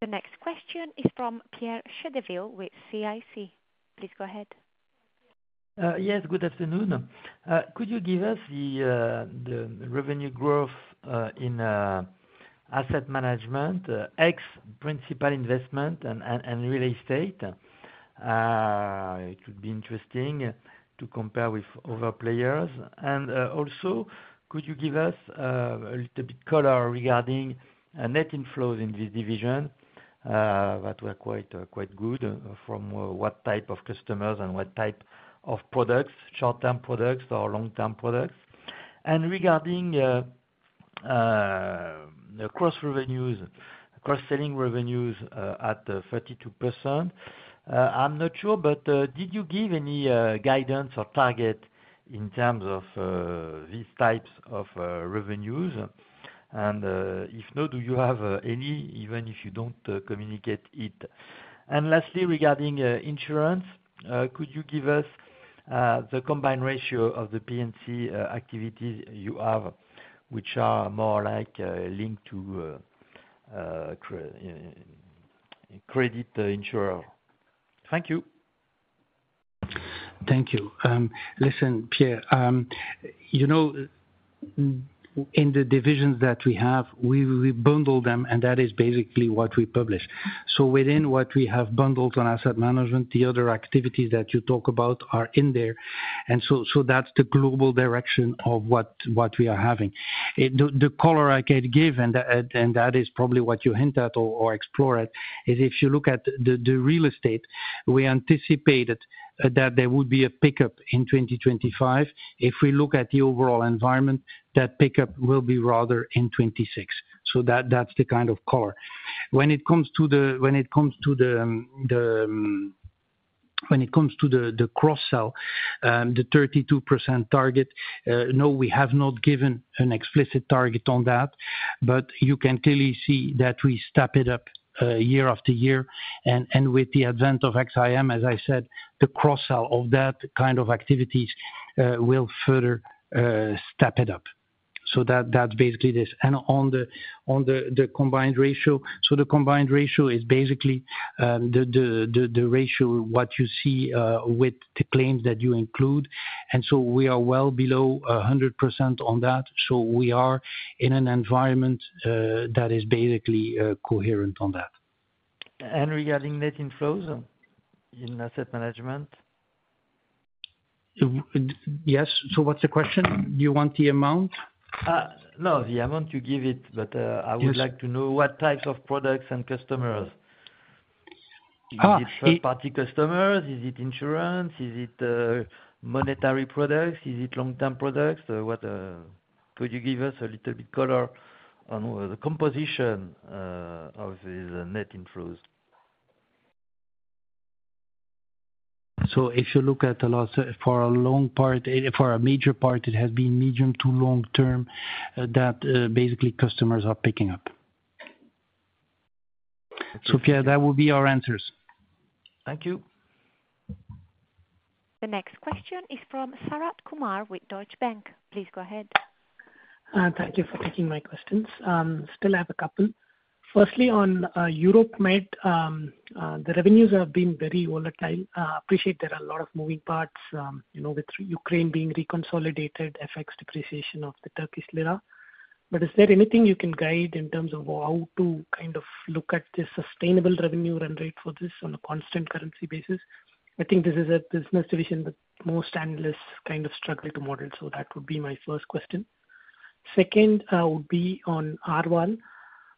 The next question is from Pierre Chédeville with CIC. Please go ahead. Yes. Good afternoon. Could you give us the revenue growth in Asset Management, ex principal investment and Real Estate? It would be interesting to compare with other players. And also, could you give us a little bit color regarding net inflows in this division that were quite good from what type of customers and what type of products, short-term products or long-term products? And regarding the cross-selling revenues at 32%, I'm not sure, but did you give any guidance or target in terms of these types of revenues? And if no, do you have any, even if you don't communicate it? And lastly, regarding Insurance, could you give us the combined ratio of the P&C activities you have, which are more like linked to credit insurer? Thank you. Thank you. Listen, Pierre, in the divisions that we have, we bundle them, and that is basically what we publish. So within what we have bundled on Asset Management, the other activities that you talk about are in there. And so that's the global direction of what we are having. The color I could give, and that is probably what you hint at or explore it, is if you look at the Real Estate, we anticipated that there would be a pickup in 2025. If we look at the overall environment, that pickup will be rather in 2026. So that's the kind of color. When it comes to the cross-sell, the 32% target, no, we have not given an explicit target on that, but you can clearly see that we step it up year after year. And with the advent of AXA IM, as I said, the cross-sell of that kind of activities will further step it up. So that's basically this. And on the combined ratio, so the combined ratio is basically the ratio what you see with the claims that you include. And so we are well below 100% on that. So we are in an environment that is basically coherent on that. And regarding net inflows in Asset Management? Yes. So what's the question? Do you want the amount? No, the amount you give it, but I would like to know what types of products and customers. Is it third-party customers? Is it Insurance? Is it monetary products? Is it long-term products? Could you give us a little bit color on the composition of the net inflows? So if you look at a lot for a long part, for a major part, it has been medium to long-term that basically customers are picking up. So Pierre, that would be our answers. Thank you. The next question is from Sharath Kumar with Deutsche Bank. Please go ahead. Thank you for taking my questions. Still have a couple. Firstly, on Europe-Mediterranean, the revenues have been very volatile. I appreciate there are a lot of moving parts with Ukraine being reconsolidated, FX depreciation of the Turkish lira. But is there anything you can guide in terms of how to kind of look at the sustainable revenue rate for this on a constant currency basis? I think this is a business division with most analysts kind of struggle to model. So that would be my first question. Second would be on Arval.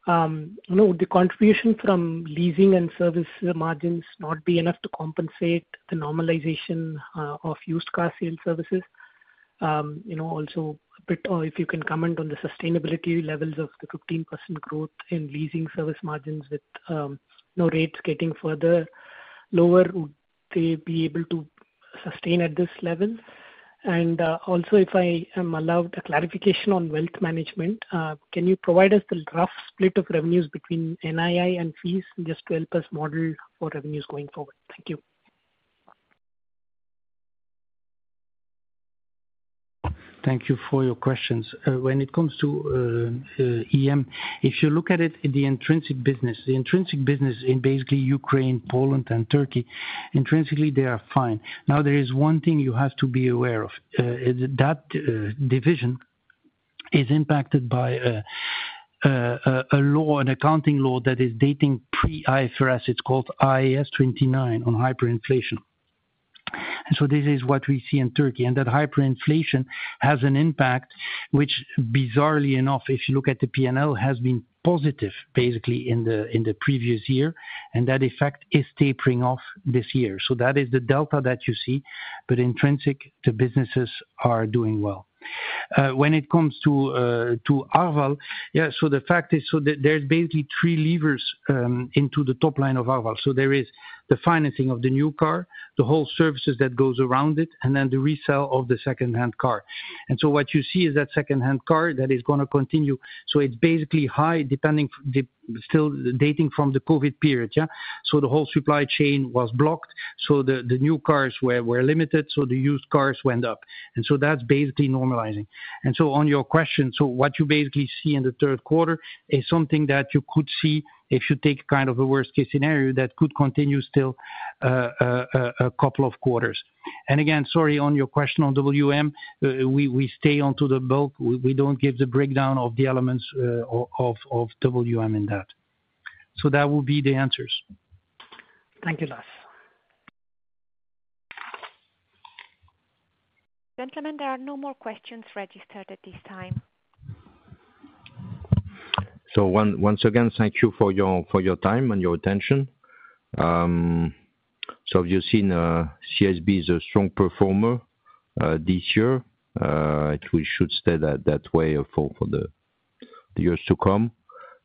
Would the contribution from leasing and service margins not be enough to compensate the normalization of used car sales services? Also, if you can comment on the sustainability levels of the 15% growth in leasing service margins with no rates getting further lower, would they be able to sustain at this level? Also, if I am allowed a clarification on Wealth Management, can you provide us the rough split of revenues between NII and fees just to help us model for revenues going forward? Thank you. Thank you for your questions. When it comes to EM, if you look at it in the intrinsic business, the intrinsic business in basically Ukraine, Poland, and Turkey, intrinsically, they are fine. Now, there is one thing you have to be aware of. That division is impacted by a law, an accounting law that is dating pre-IFRS. It's called IAS 29 on hyperinflation. And so this is what we see in Turkey. And that hyperinflation has an impact, which bizarrely enough, if you look at the P&L, has been positive basically in the previous year, and that effect is tapering off this year. That is the delta that you see, but intrinsic, the businesses are doing well. When it comes to Arval, yeah, so the fact is, so there's basically three levers into the top line of Arval. There is the financing of the new car, the whole services that goes around it, and then the resale of the secondhand car. What you see is that secondhand car that is going to continue. It's basically high, still dating from the COVID period, yeah? The whole supply chain was blocked. The new cars were limited, so the used cars went up. That's basically normalizing. On your question, what you basically see in the third quarter is something that you could see if you take kind of a worst-case scenario that could continue still a couple of quarters. And again, sorry, on your question on WM, we stay on the whole. We don't give the breakdown of the elements of WM in that. So that would be the answers. Thank you, Lars. Gentlemen, there are no more questions registered at this time. So once again, thank you for your time and your attention. You've seen CIB is a strong performer this year. We should stay that way for the years to come,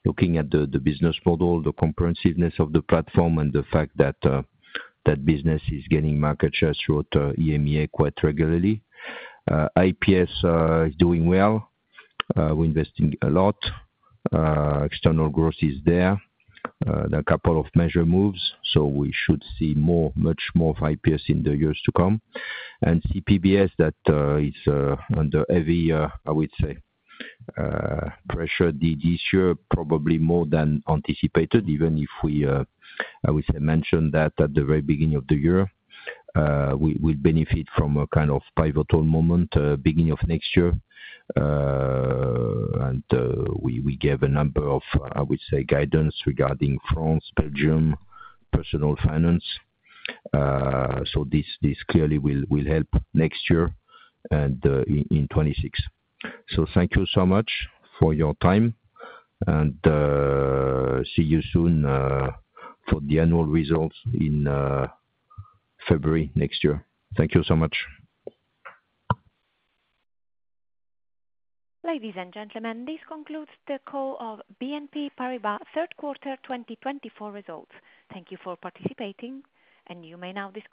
looking at the business model, the comprehensiveness of the platform, and the fact that that business is getting market share through EMEA quite regularly. IPS is doing well. We're investing a lot. External growth is there. There are a couple of M&A moves, so we should see much more of IPS in the years to come. And CPBS that is under heavy, I would say, pressure this year, probably more than anticipated, even if we, I would say, mentioned that at the very beginning of the year. We benefit from a kind of pivotal moment beginning of next year. And we gave a number of, I would say, guidance regarding France, Belgium, Personal Finance. So this clearly will help next year and in 2026. So thank you so much for your time. And see you soon for the annual results in February next year. Thank you so much. Ladies and gentlemen, this concludes the call of BNP Paribas third quarter 2024 results. Thank you for participating, and you may now disconnect.